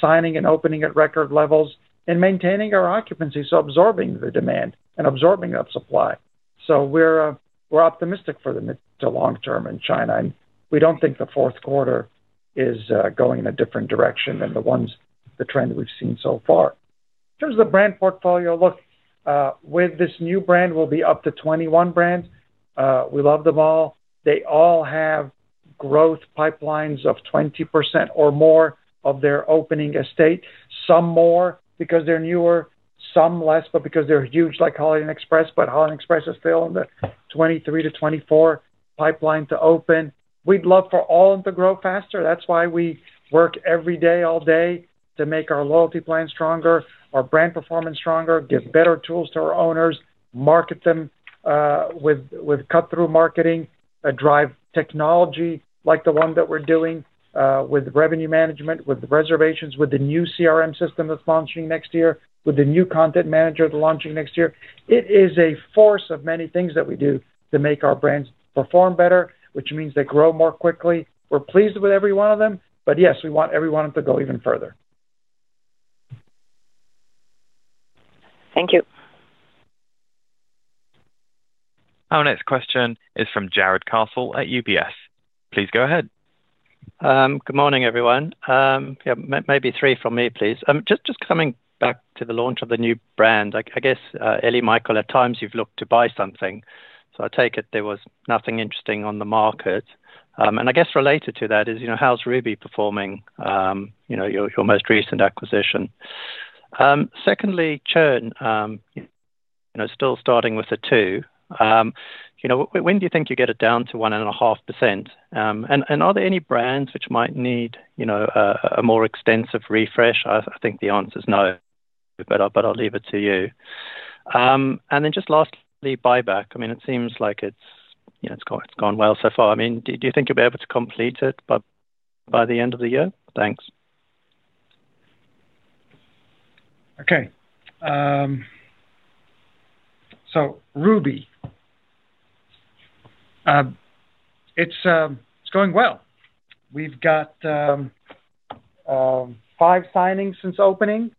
signing and opening at record levels, and maintaining our occupancy, absorbing the demand and absorbing that supply. We're optimistic for the mid to long term in China, and we don't think the fourth quarter is going in a different direction than the trend we've seen so far. In terms of the brand portfolio, with this new brand, we'll be up to 21 brands. We love them all. They all have growth pipelines of 20% or more of their opening estate. Some more because they're newer, some less, but because they're huge like Holiday Inn Express. Holiday Inn Express is still in the 23-24 pipeline to open. We'd love for all of them to grow faster. That's why we work every day, all day, to make our loyalty plan stronger, our brand performance stronger, give better tools to our owners, market them with cut-through marketing, drive technology like the one that we're doing with revenue management, with reservations, with the new CRM system that's launching next year, with the new content manager launching next year. It is a force of many things that we do to make our brands perform better, which means they grow more quickly. We're pleased with every one of them. Yes, we want every one of them to go even further.
Thank you.
Our next question is from Jarrod Castle at UBS. Please go ahead.
Good morning, everyone. Maybe three from me, please. Just coming back to the launch of the new brand, I guess, Elie, Michael, at times you've looked to buy something. I take it there was nothing interesting on the market. I guess related to that is, you know, how's Ruby performing, you know, your most recent acquisition. Secondly, churn, you know, still starting with a two. When do you think you get it down to 1.5%? Are there any brands which might need, you know, a more extensive refresh? I think the answer is no, but I'll leave it to you. Lastly, buyback. It seems like it's gone well so far. Do you think you'll be able to complete it by the end of the year? Thanks.
Okay. Ruby, it's going well. We've got five signings since opening,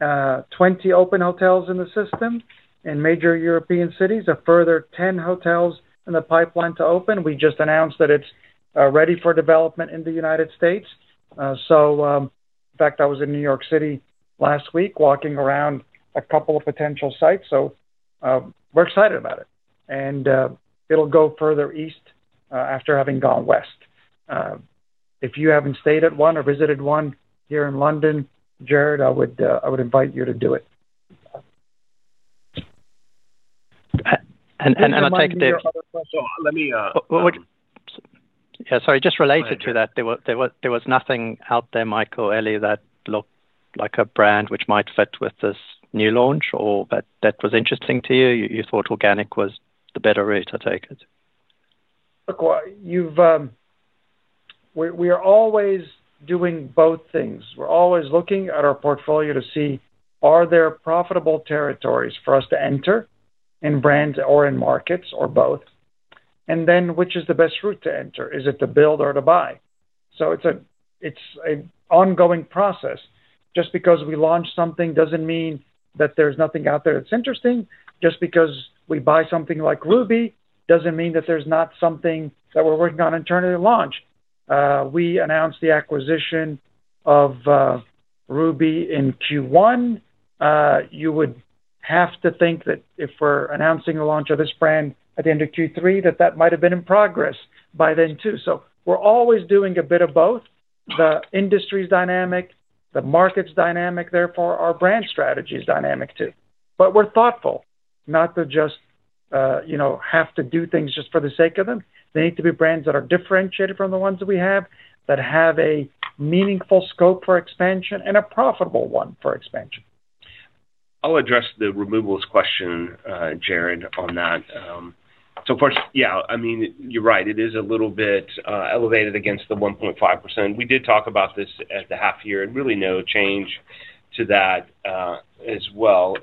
20 open hotels in the system in major European cities, a further 10 hotels in the pipeline to open. We just announced that it's ready for development in the United States. In fact, I was in New York City last week walking around a couple of potential sites. We're excited about it, and it'll go further east after having gone west. If you haven't stayed at one or visited one here in London, Jarrod, I would invite you to do it.
I'll take it. Sorry, just related to that, there was nothing out there, Michael or Elie, that looked like a brand which might fit with this new launch or that was interesting to you. You thought organic was the better route, I take it.
Look, we are always doing both things. We're always looking at our portfolio to see, are there profitable territories for us to enter in brands or in markets or both? Then which is the best route to enter? Is it to build or to buy? It's an ongoing process. Just because we launch something doesn't mean that there's nothing out there that's interesting. Just because we buy something like Ruby doesn't mean that there's not something that we're working on internally to launch. We announced the acquisition of Ruby in Q1. You would have to think that if we're announcing the launch of this brand at the end of Q3, that that might have been in progress by then too. We're always doing a bit of both. The industry's dynamic, the market's dynamic, therefore our brand strategy is dynamic too. We're thoughtful, not to just, you know, have to do things just for the sake of them. They need to be brands that are differentiated from the ones that we have, that have a meaningful scope for expansion and a profitable one for expansion.
I'll address the removals question, Jared, on that. First, yeah, you're right. It is a little bit elevated against the 1.5%. We did talk about this at the half year and really no change to that as well.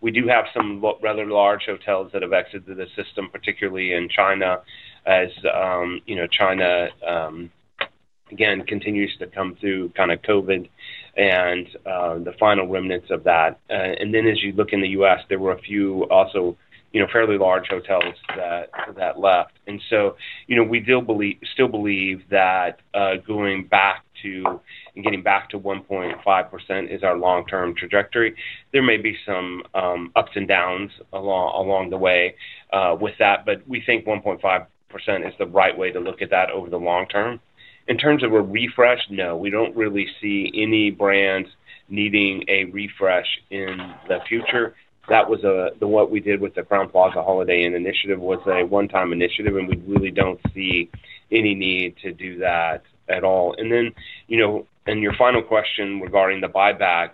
We do have some rather large hotels that have exited the system, particularly in China, as you know, China again continues to come through kind of COVID and the final remnants of that. As you look in the U.S., there were a few also fairly large hotels that left. We still believe that going back to and getting back to 1.5% is our long-term trajectory. There may be some ups and downs along the way with that, but we think 1.5% is the right way to look at that over the long term. In terms of a refresh, no, we don't really see any brands needing a refresh in the future. That was what we did with the Crowne Plaza Holiday Inn initiative, which was a one-time initiative, and we really don't see any need to do that at all. In your final question regarding the buyback,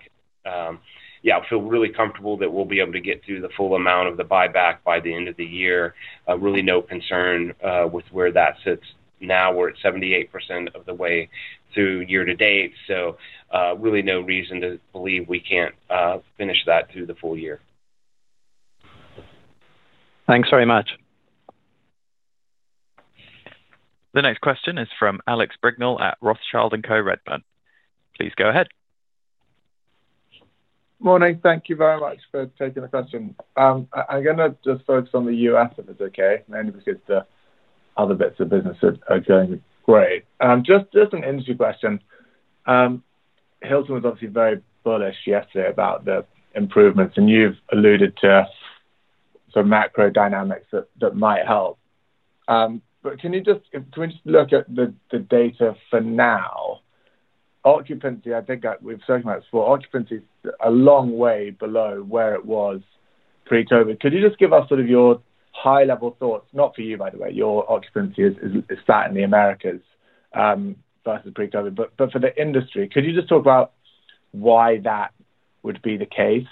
yeah, I feel really comfortable that we'll be able to get through the full amount of the buyback by the end of the year. Really no concern with where that sits now. We're at 78% of the way through year to date. Really no reason to believe we can't finish that through the full year.
Thanks very much.
The next question is from Alex Brignall at Rothschild and Co. Redmond. Please go ahead.
Morning. Thank you very much for taking the question. I'm going to just focus on the U.S., if it's okay, mainly because the other bits of business are going great. Just an industry question. Hilton was obviously very bullish yesterday about the improvements, and you've alluded to some macro dynamics that might help. Can we just look at the data for now? Occupancy, I think we've spoken about this before. Occupancy is a long way below where it was pre-COVID. Could you just give us sort of your high-level thoughts? Not for you, by the way. Your occupancy is flat in the Americas versus pre-COVID. For the industry, could you just talk about why that would be the case?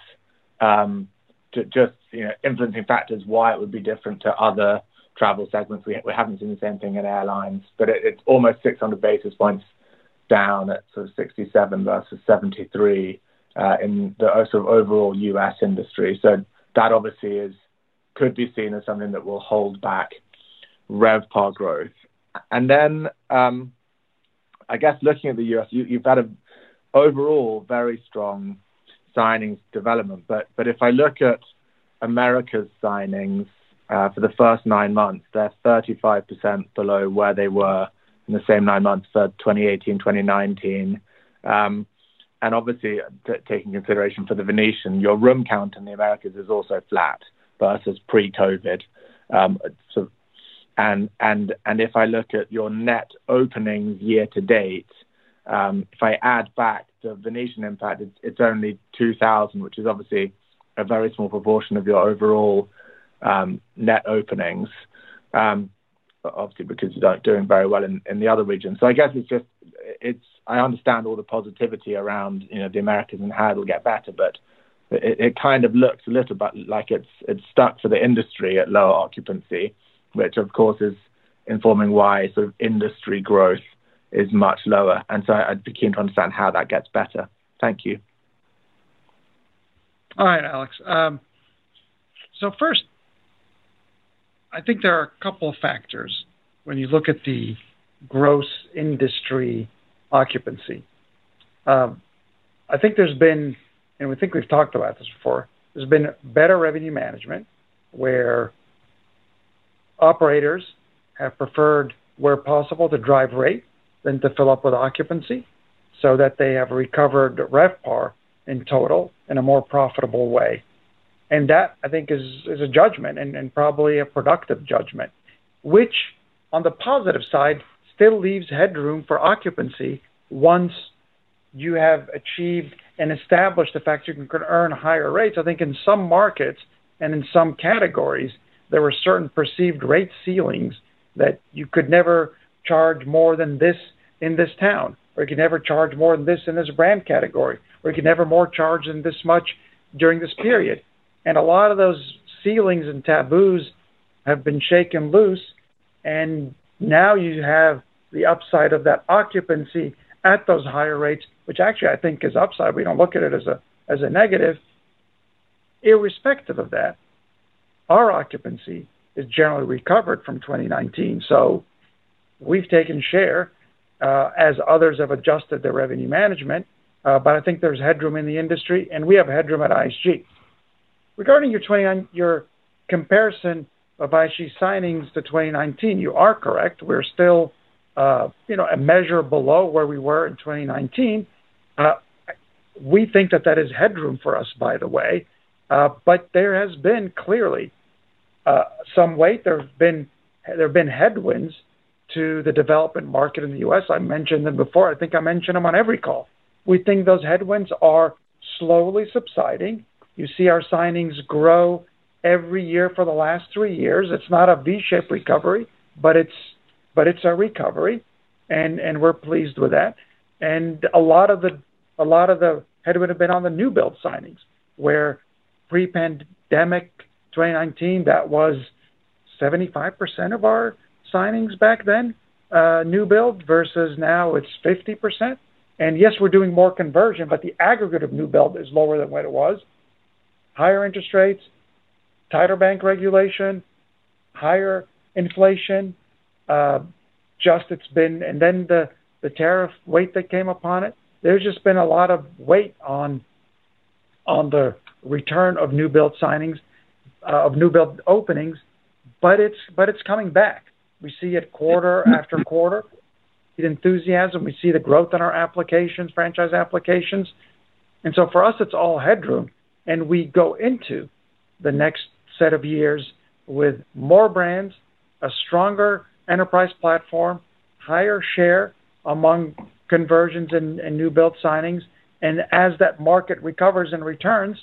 Just influencing factors, why it would be different to other travel segments. We haven't seen the same thing in airlines, but it's almost 600 basis points down at sort of 67% versus 73% in the sort of overall U.S. industry. That obviously could be seen as something that will hold back RevPAR growth. I guess looking at the U.S., you've had an overall very strong signings development. If I look at Americas signings for the first nine months, they're 35% below where they were in the same nine months for 2018, 2019. Obviously, taking consideration for the Venetian, your room count in the Americas is also flat versus pre-COVID. If I look at your net openings year to date, if I add back the Venetian impact, it's only 2,000, which is obviously a very small proportion of your overall net openings, obviously because you're not doing very well in the other regions. I guess it's just, I understand all the positivity around, you know, the Americas and how it'll get better, but it kind of looks a little bit like it's stuck for the industry at lower occupancy, which of course is informing why sort of industry growth is much lower. I'd be keen to understand how that gets better. Thank you.
All right, Alex. First, I think there are a couple of factors when you look at the gross industry occupancy. I think there's been, and I think we've talked about this before, there's been better revenue management where operators have preferred, where possible, to drive rate than to fill up with occupancy so that they have recovered RevPAR in total in a more profitable way. That, I think, is a judgment and probably a productive judgment, which on the positive side still leaves headroom for occupancy once you have achieved and established the fact you can earn higher rates. I think in some markets and in some categories, there were certain perceived rate ceilings that you could never charge more than this in this town, or you could never charge more than this in this brand category, or you could never charge more than this much during this period. A lot of those ceilings and taboos have been shaken loose. Now you have the upside of that occupancy at those higher rates, which actually I think is upside. We don't look at it as a negative. Irrespective of that, our occupancy has generally recovered from 2019. We've taken share as others have adjusted their revenue management. I think there's headroom in the industry, and we have headroom at IHG. Regarding your comparison of IHG signings to 2019, you are correct. We're still a measure below where we were in 2019. We think that that is headroom for us, by the way. There has been clearly some weight. There have been headwinds to the development market in the U.S. I mentioned them before. I think I mention them on every call. We think those headwinds are slowly subsiding. You see our signings grow every year for the last three years. It's not a V-shaped recovery, but it's a recovery, and we're pleased with that. A lot of the headwinds have been on the new build signings, where pre-pandemic 2019, that was 75% of our signings back then, new build, versus now it's 50%. Yes, we're doing more conversion, but the aggregate of new build is lower than what it was. Higher interest rates, tighter bank regulation, higher inflation. It's been, and then the tariff weight that came upon it, there's just been a lot of weight on the return of new build signings, of new build openings, but it's coming back. We see it quarter after quarter. We see the enthusiasm. We see the growth on our applications, franchise applications. For us, it's all headroom. We go into the next set of years with more brands, a stronger enterprise platform, higher share among conversions and new build signings. As that market recovers and returns,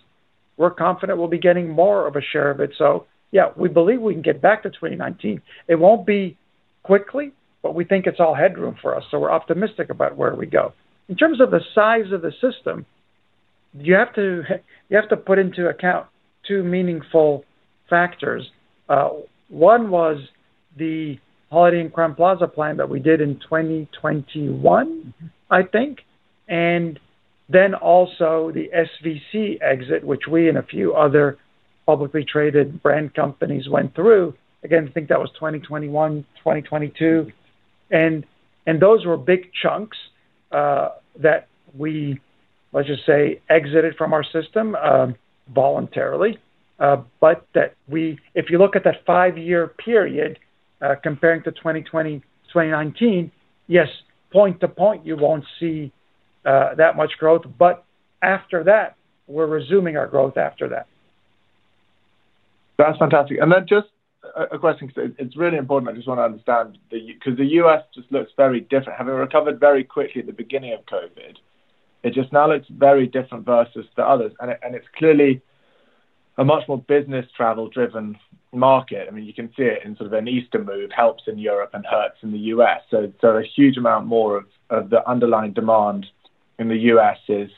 we're confident we'll be getting more of a share of it. We believe we can get back to 2019. It won't be quickly, but we think it's all headroom for us. We're optimistic about where we go. In terms of the size of the system, you have to put into account two meaningful factors. One was the Holiday Inn Crowne Plaza plan that we did in 2021, I think. Also, the SVC exit, which we and a few other publicly traded brand companies went through. I think that was 2021, 2022. Those were big chunks that we, let's just say, exited from our system voluntarily. If you look at that five-year period comparing to 2020, 2019, point to point, you won't see that much growth. After that, we're resuming our growth after that.
That's fantastic. Just a question, because it's really important. I just want to understand because the U.S. just looks very different. Having recovered very quickly at the beginning of COVID, it just now looks very different versus the others. It's clearly a much more business travel-driven market. You can see it in sort of an Easter move, helps in Europe and hurts in the U.S. A huge amount more of the underlying demand in the U.S. is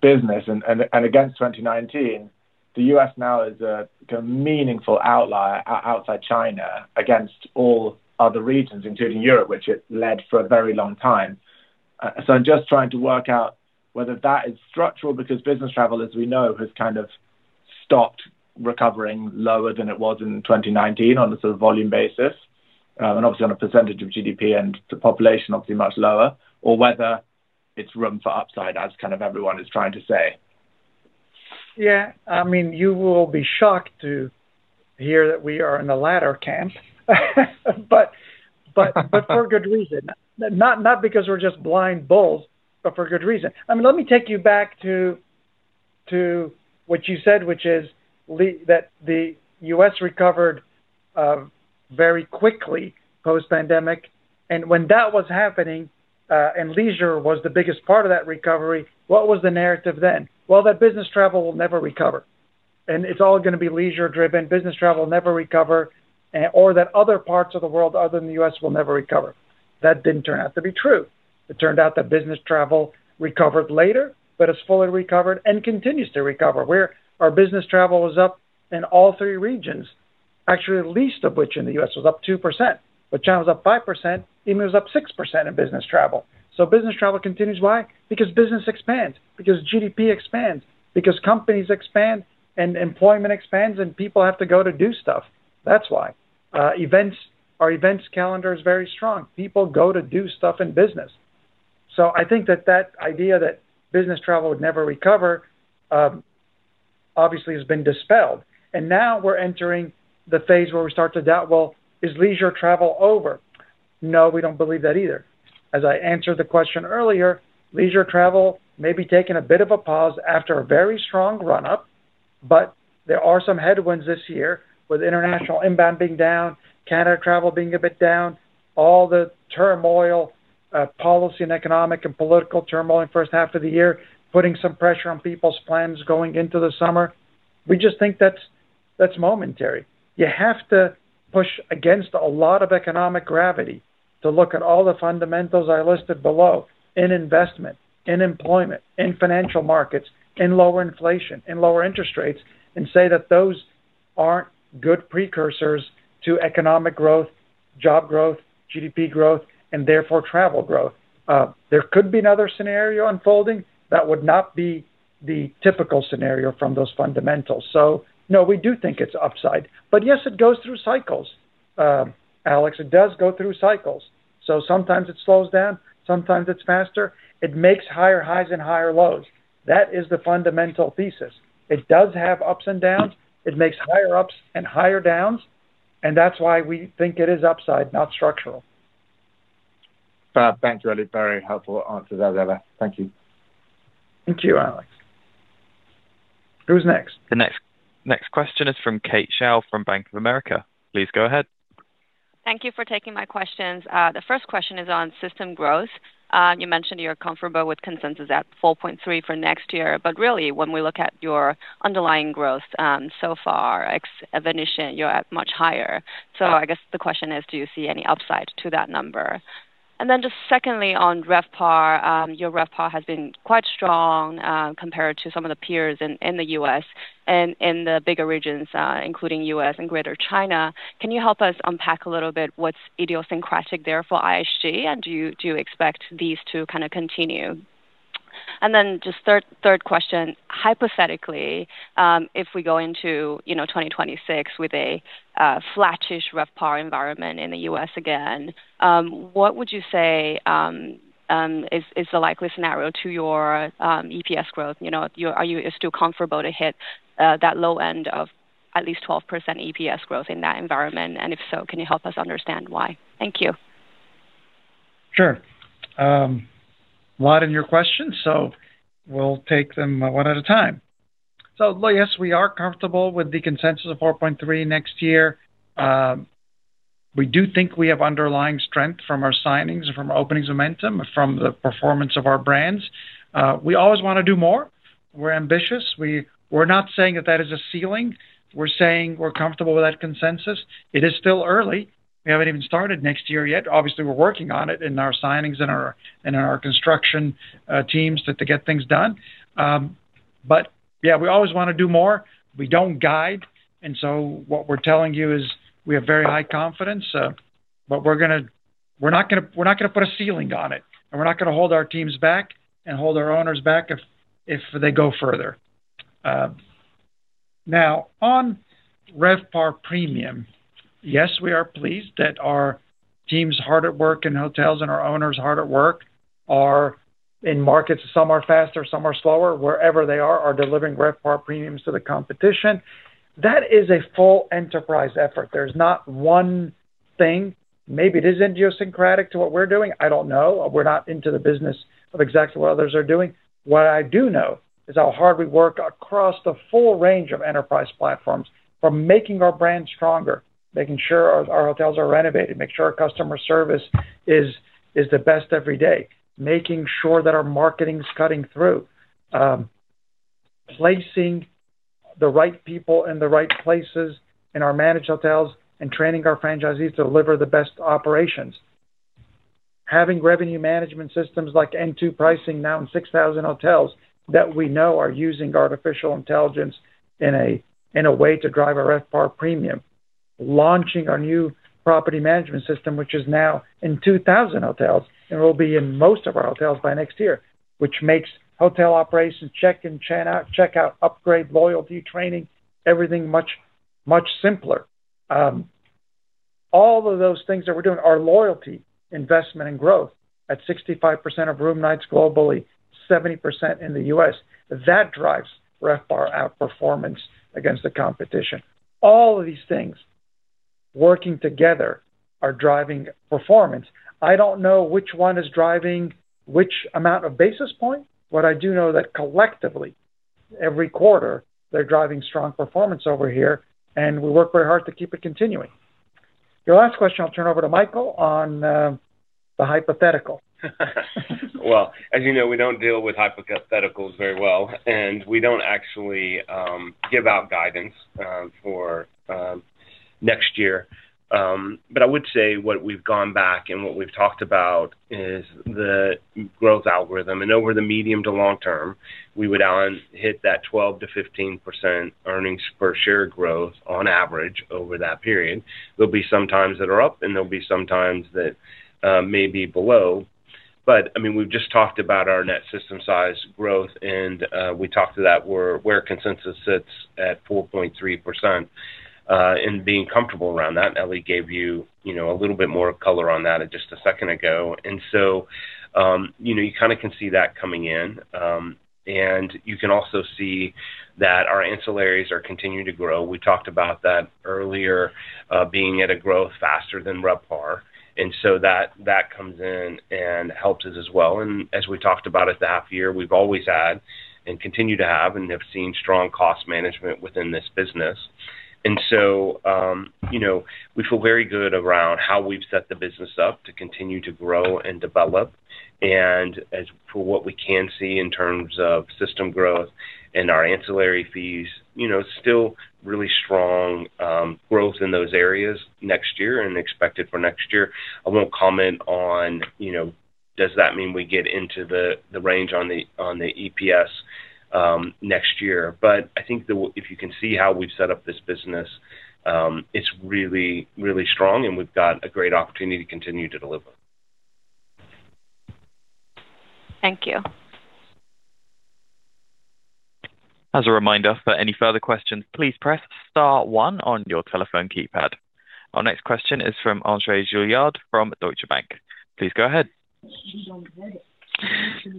business. Against 2019, the U.S. now is a meaningful outlier outside China against all other regions, including Europe, which it led for a very long time. I'm just trying to work out whether that is structural because business travel, as we know, has kind of stopped recovering lower than it was in 2019 on a sort of volume basis. Obviously, on a percentage of GDP and the population, obviously much lower, or whether it's room for upside, as kind of everyone is trying to say.
Yeah, I mean, you will be shocked to hear that we are in the latter camp, but for good reason. Not because we're just blind bulls, but for good reason. Let me take you back to what you said, which is that the U.S. recovered very quickly post-pandemic. When that was happening and leisure was the biggest part of that recovery, what was the narrative then? That business travel will never recover, and it's all going to be leisure-driven. Business travel will never recover, or that other parts of the world other than the U.S. will never recover. That didn't turn out to be true. It turned out that business travel recovered later, but it's fully recovered and continues to recover. Where our business travel was up in all three regions, actually the least of which in the U.S. was up 2%. China was up 5%. EMEA was up 6% in business travel. Business travel continues. Why? Because business expands, because GDP expands, because companies expand and employment expands, and people have to go to do stuff. That's why. Our events calendar is very strong. People go to do stuff in business. I think that idea that business travel would never recover obviously has been dispelled. Now we're entering the phase where we start to doubt, is leisure travel over? No, we don't believe that either. As I answered the question earlier, leisure travel may be taking a bit of a pause after a very strong run-up, but there are some headwinds this year with international inbound being down, Canada travel being a bit down, all the turmoil, policy and economic and political turmoil in the first half of the year, putting some pressure on people's plans going into the summer. We just think that's momentary. You have to push against a lot of economic gravity to look at all the fundamentals I listed below in investment, in employment, in financial markets, in lower inflation, in lower interest rates, and say that those aren't good precursors to economic growth, job growth, GDP growth, and therefore travel growth. There could be another scenario unfolding that would not be the typical scenario from those fundamentals. No, we do think it's upside. Yes, it goes through cycles, Alex. It does go through cycles. Sometimes it slows down, sometimes it's faster. It makes higher highs and higher lows. That is the fundamental thesis. It does have ups and downs. It makes higher ups and higher downs. That's why we think it is upside, not structural.
Thank you, Elie. Very helpful answers as ever. Thank you.
Thank you, Alex. Who's next?
The next question is from Katherine Hele from Bank of America. Please go ahead.
Thank you for taking my questions. The first question is on system growth. You mentioned you're comfortable with consensus at 4.3% for next year, but really when we look at your underlying growth so far, ex-Venetian, you're at much higher. I guess the question is, do you see any upside to that number? Secondly, on RevPAR, your RevPAR has been quite strong compared to some of the peers in the U.S. and in the bigger regions, including U.S. and Greater China. Can you help us unpack a little bit what's idiosyncratic there for IHG, and do you expect these to kind of continue? Third question, hypothetically, if we go into 2026 with a flat-ish RevPAR environment in the U.S. again, what would you say is the likely scenario to your EPS growth? Are you still comfortable to hit that low end of at least 12% EPS growth in that environment? If so, can you help us understand why? Thank you.
Sure. A lot in your questions, so we'll take them one at a time. Yes, we are comfortable with the consensus of 4.3% next year. We do think we have underlying strength from our signings and from our openings momentum and from the performance of our brands. We always want to do more. We're ambitious. We're not saying that that is a ceiling. We're saying we're comfortable with that consensus. It is still early. We haven't even started next year yet. Obviously, we're working on it in our signings and in our construction teams to get things done. Yeah, we always want to do more. We don't guide. What we're telling you is we have very high confidence, but we're not going to put a ceiling on it. We're not going to hold our teams back and hold our owners back if they go further. Now, on RevPAR premium, yes, we are pleased that our teams hard at work in hotels and our owners hard at work are in markets. Some are faster, some are slower. Wherever they are, are delivering RevPAR premiums to the competition. That is a full enterprise effort. There's not one thing. Maybe it is idiosyncratic to what we're doing. I don't know. We're not into the business of exactly what others are doing. What I do know is how hard we work across the full range of enterprise platforms from making our brand stronger, making sure our hotels are renovated, making sure our customer service is the best every day, making sure that our marketing is cutting through, placing the right people in the right places in our managed hotels, and training our franchisees to deliver the best operations. Having revenue management systems like N2 Pricing now in 6,000 hotels that we know are using artificial intelligence in a way to drive our RevPAR premium. Launching our new property management system, which is now in 2,000 hotels and will be in most of our hotels by next year, which makes hotel operations, check-in, check-out, upgrade, loyalty, training, everything much, much simpler. All of those things that we're doing, our loyalty, investment, and growth at 65% of room nights globally, 70% in the U.S., that drives RevPAR outperformance against the competition. All of these things working together are driving performance. I don't know which one is driving which amount of basis point, but I do know that collectively, every quarter, they're driving strong performance over here, and we work very hard to keep it continuing. Your last question, I'll turn over to Michael on the hypothetical.
As you know, we don't deal with hypotheticals very well, and we don't actually give out guidance for next year. I would say what we've gone back and what we've talked about is the growth algorithm. Over the medium to long term, we would hit that 12%-15% earnings per share growth on average over that period. There'll be some times that are up, and there'll be some times that may be below. We've just talked about our net system size growth, and we talked to that where consensus sits at 4.3% and being comfortable around that. Elie gave you a little bit more color on that just a second ago, so you kind of can see that coming in. You can also see that our ancillaries are continuing to grow. We talked about that earlier, being at a growth faster than RevPAR, so that comes in and helps us as well. As we talked about at the half year, we've always had and continue to have and have seen strong cost management within this business. We feel very good around how we've set the business up to continue to grow and develop. As for what we can see in terms of system growth and our ancillary fees, still really strong growth in those areas next year and expected for next year. I won't comment on, you know, does that mean we get into the range on the EPS next year? I think that if you can see how we've set up this business, it's really, really strong, and we've got a great opportunity to continue to deliver.
Thank you.
As a reminder, for any further questions, please press star one on your telephone keypad. Our next question is from Andre Julliard from Deutsche Bank. Please go ahead.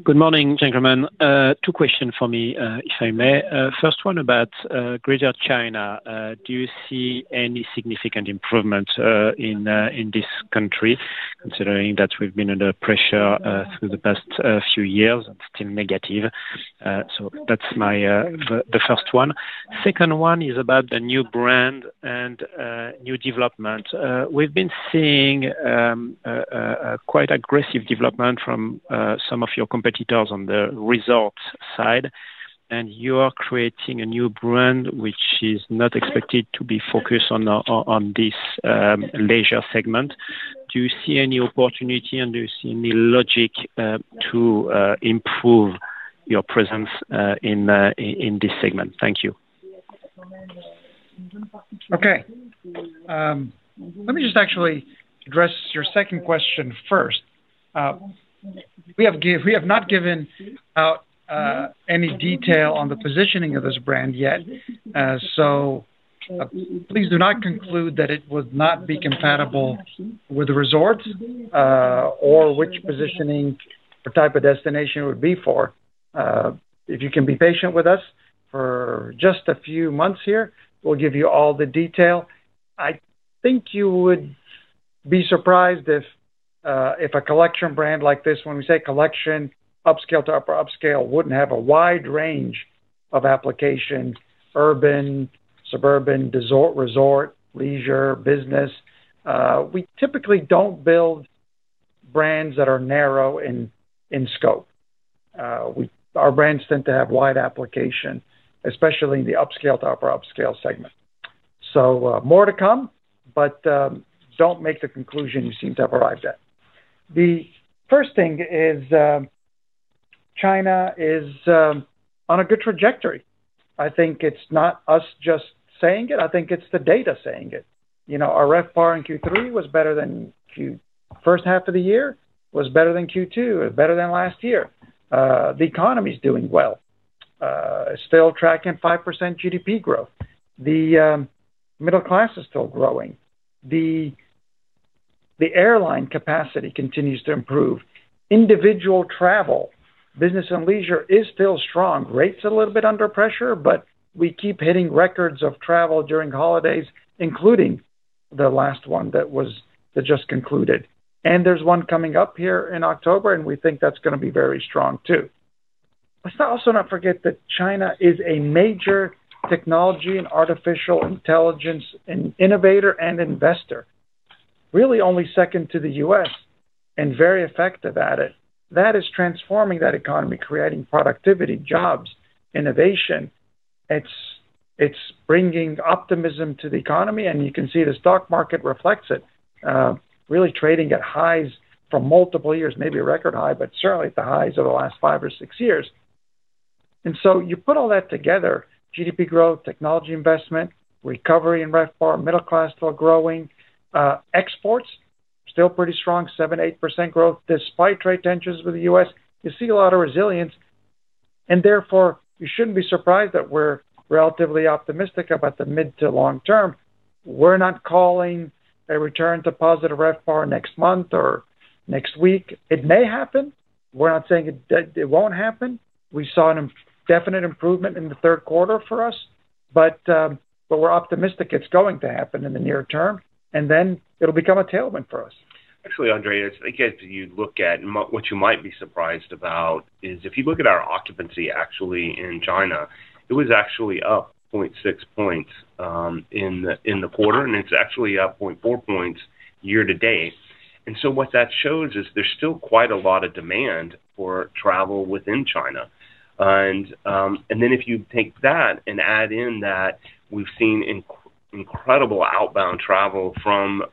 Good morning, gentlemen. Two questions for me, if I may. First one about Greater China. Do you see any significant improvement in this country, considering that we've been under pressure through the past few years and still negative? That's the first one. Second one is about the new brand and new development. We've been seeing quite aggressive development from some of your competitors on the resorts side, and you are creating a new brand which is not expected to be focused on this leisure segment. Do you see any opportunity and do you see any logic to improve your presence in this segment? Thank you.
Okay. Let me just actually address your second question first. We have not given out any detail on the positioning of this brand yet. Please do not conclude that it would not be compatible with resorts or which positioning or type of destination it would be for. If you can be patient with us for just a few months here, we'll give you all the detail. I think you would be surprised if a collection brand like this, when we say collection, upscale to upper upscale, wouldn't have a wide range of applications: urban, suburban, resort, leisure, business. We typically don't build brands that are narrow in scope. Our brands tend to have wide application, especially in the upscale to upper upscale segment. More to come, but go. The conclusion you seem to have arrived at. The first thing is, China is on a good trajectory. I think it's not us just saying it. I think it's the data saying it. You know, our RevPAR in Q3 was better than Q1, first half of the year. It was better than Q2. It was better than last year. The economy's doing well. It's still tracking 5% GDP growth. The middle class is still growing. The airline capacity continues to improve. Individual travel, business and leisure, is still strong. Rates are a little bit under pressure, but we keep hitting records of travel during holidays, including the last one that just concluded. There's one coming up here in October, and we think that's going to be very strong too. Let's also not forget that China is a major technology and artificial intelligence innovator and investor, really only second to the U.S., and very effective at it. That is transforming that economy, creating productivity, jobs, innovation. It's bringing optimism to the economy, and you can see the stock market reflects it, really trading at highs from multiple years, maybe a record high, but certainly at the highs of the last five or six years. You put all that together: GDP growth, technology investment, recovery in RevPAR, middle class still growing, exports still pretty strong, 7%, 8% growth despite trade tensions with the U.S. You see a lot of resilience, and therefore, you shouldn't be surprised that we're relatively optimistic about the mid to long term. We're not calling a return to positive RevPAR next month or next week. It may happen. We're not saying it won't happen. We saw a definite improvement in the third quarter for us, but we're optimistic it's going to happen in the near term, and then it'll become a tailwind for us.
Actually, Andre, if you look at what you might be surprised about, if you look at our occupancy in China, it was up 0.6 points in the quarter, and it's up 0.4 points year to date. What that shows is there's still quite a lot of demand for travel within China. If you take that and add in that we've seen incredible outbound travel from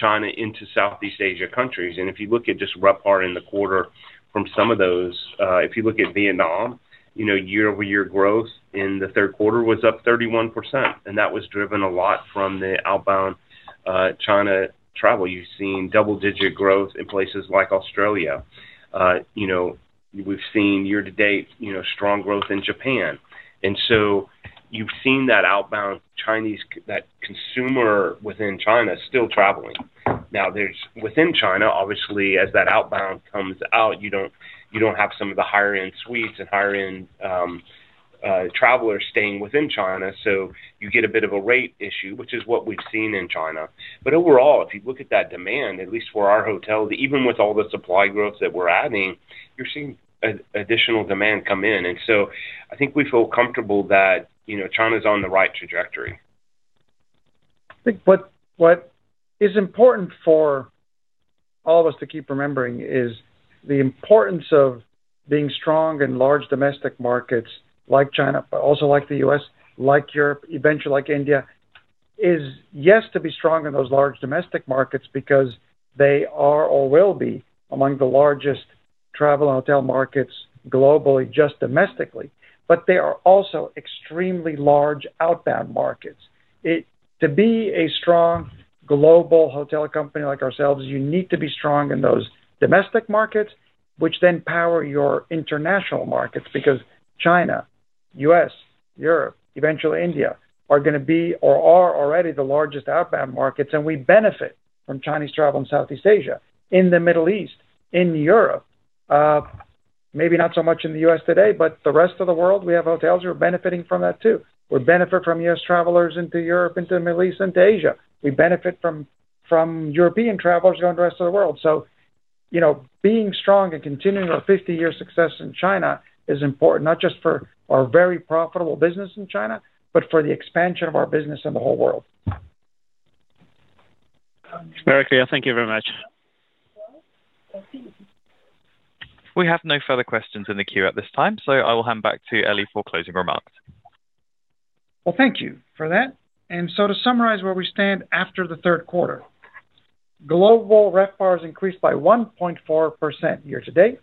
China into Southeast Asia countries, and if you look at just RevPAR in the quarter from some of those, if you look at Vietnam, year-over-year growth in the third quarter was up 31%, and that was driven a lot from the outbound China travel. You've seen double-digit growth in places like Australia. We've seen year to date strong growth in Japan. You've seen that outbound Chinese consumer within China is still traveling. Now, within China, obviously, as that outbound comes out, you don't have some of the higher-end suites and higher-end travelers staying within China, so you get a bit of a rate issue, which is what we've seen in China. Overall, if you look at that demand, at least for our hotels, even with all the supply growth that we're adding, you're seeing additional demand come in. I think we feel comfortable that China's on the right trajectory.
I think what is important for all of us to keep remembering is the importance of being strong in large domestic markets like China, but also like the U.S., like Europe, eventually like India, is yes to be strong in those large domestic markets because they are or will be among the largest travel and hotel markets globally, just domestically. They are also extremely large outbound markets. To be a strong global hotel company like ourselves, you need to be strong in those domestic markets, which then power your international markets because China, U.S., Europe, eventually India, are going to be or are already the largest outbound markets, and we benefit from Chinese travel in Southeast Asia, in the Middle East, in Europe. Maybe not so much in the U.S. today, but the rest of the world, we have hotels who are benefiting from that too. We benefit from U.S. travelers into Europe, into the Middle East, into Asia. We benefit from European travelers going to the rest of the world. Being strong and continuing our 50-year success in China is important, not just for our very profitable business in China, but for the expansion of our business in the whole world.
Very clear. Thank you very much.
We have no further questions in the queue at this time, so I will hand back to Elie for closing remarks.
Thank you for that. To summarize where we stand after the third quarter, global RevPAR has increased by 1.4% year to date,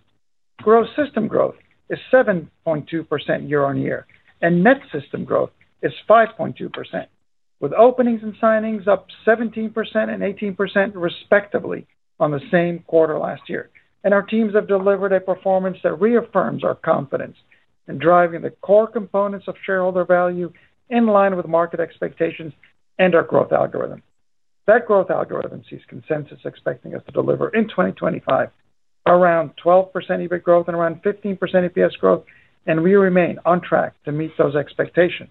gross system growth is 7.2% year-on-year, and net system growth is 5.2%, with openings and signings up 17% and 18% respectively on the same quarter last year. Our teams have delivered a performance that reaffirms our confidence in driving the core components of shareholder value in line with market expectations and our growth algorithm. That growth algorithm sees consensus expecting us to deliver in 2025 around 12% EBIT growth and around 15% EPS growth, and we remain on track to meet those expectations.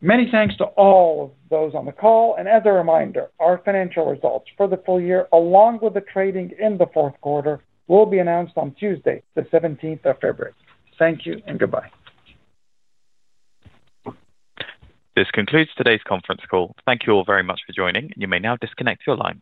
Many thanks to all of those on the call, and as a reminder, our financial results for the full year, along with the trading in the fourth quarter, will be announced on Tuesday, the 17th of February. Thank you and goodbye.
This concludes today's conference call. Thank you all very much for joining, and you may now disconnect your line.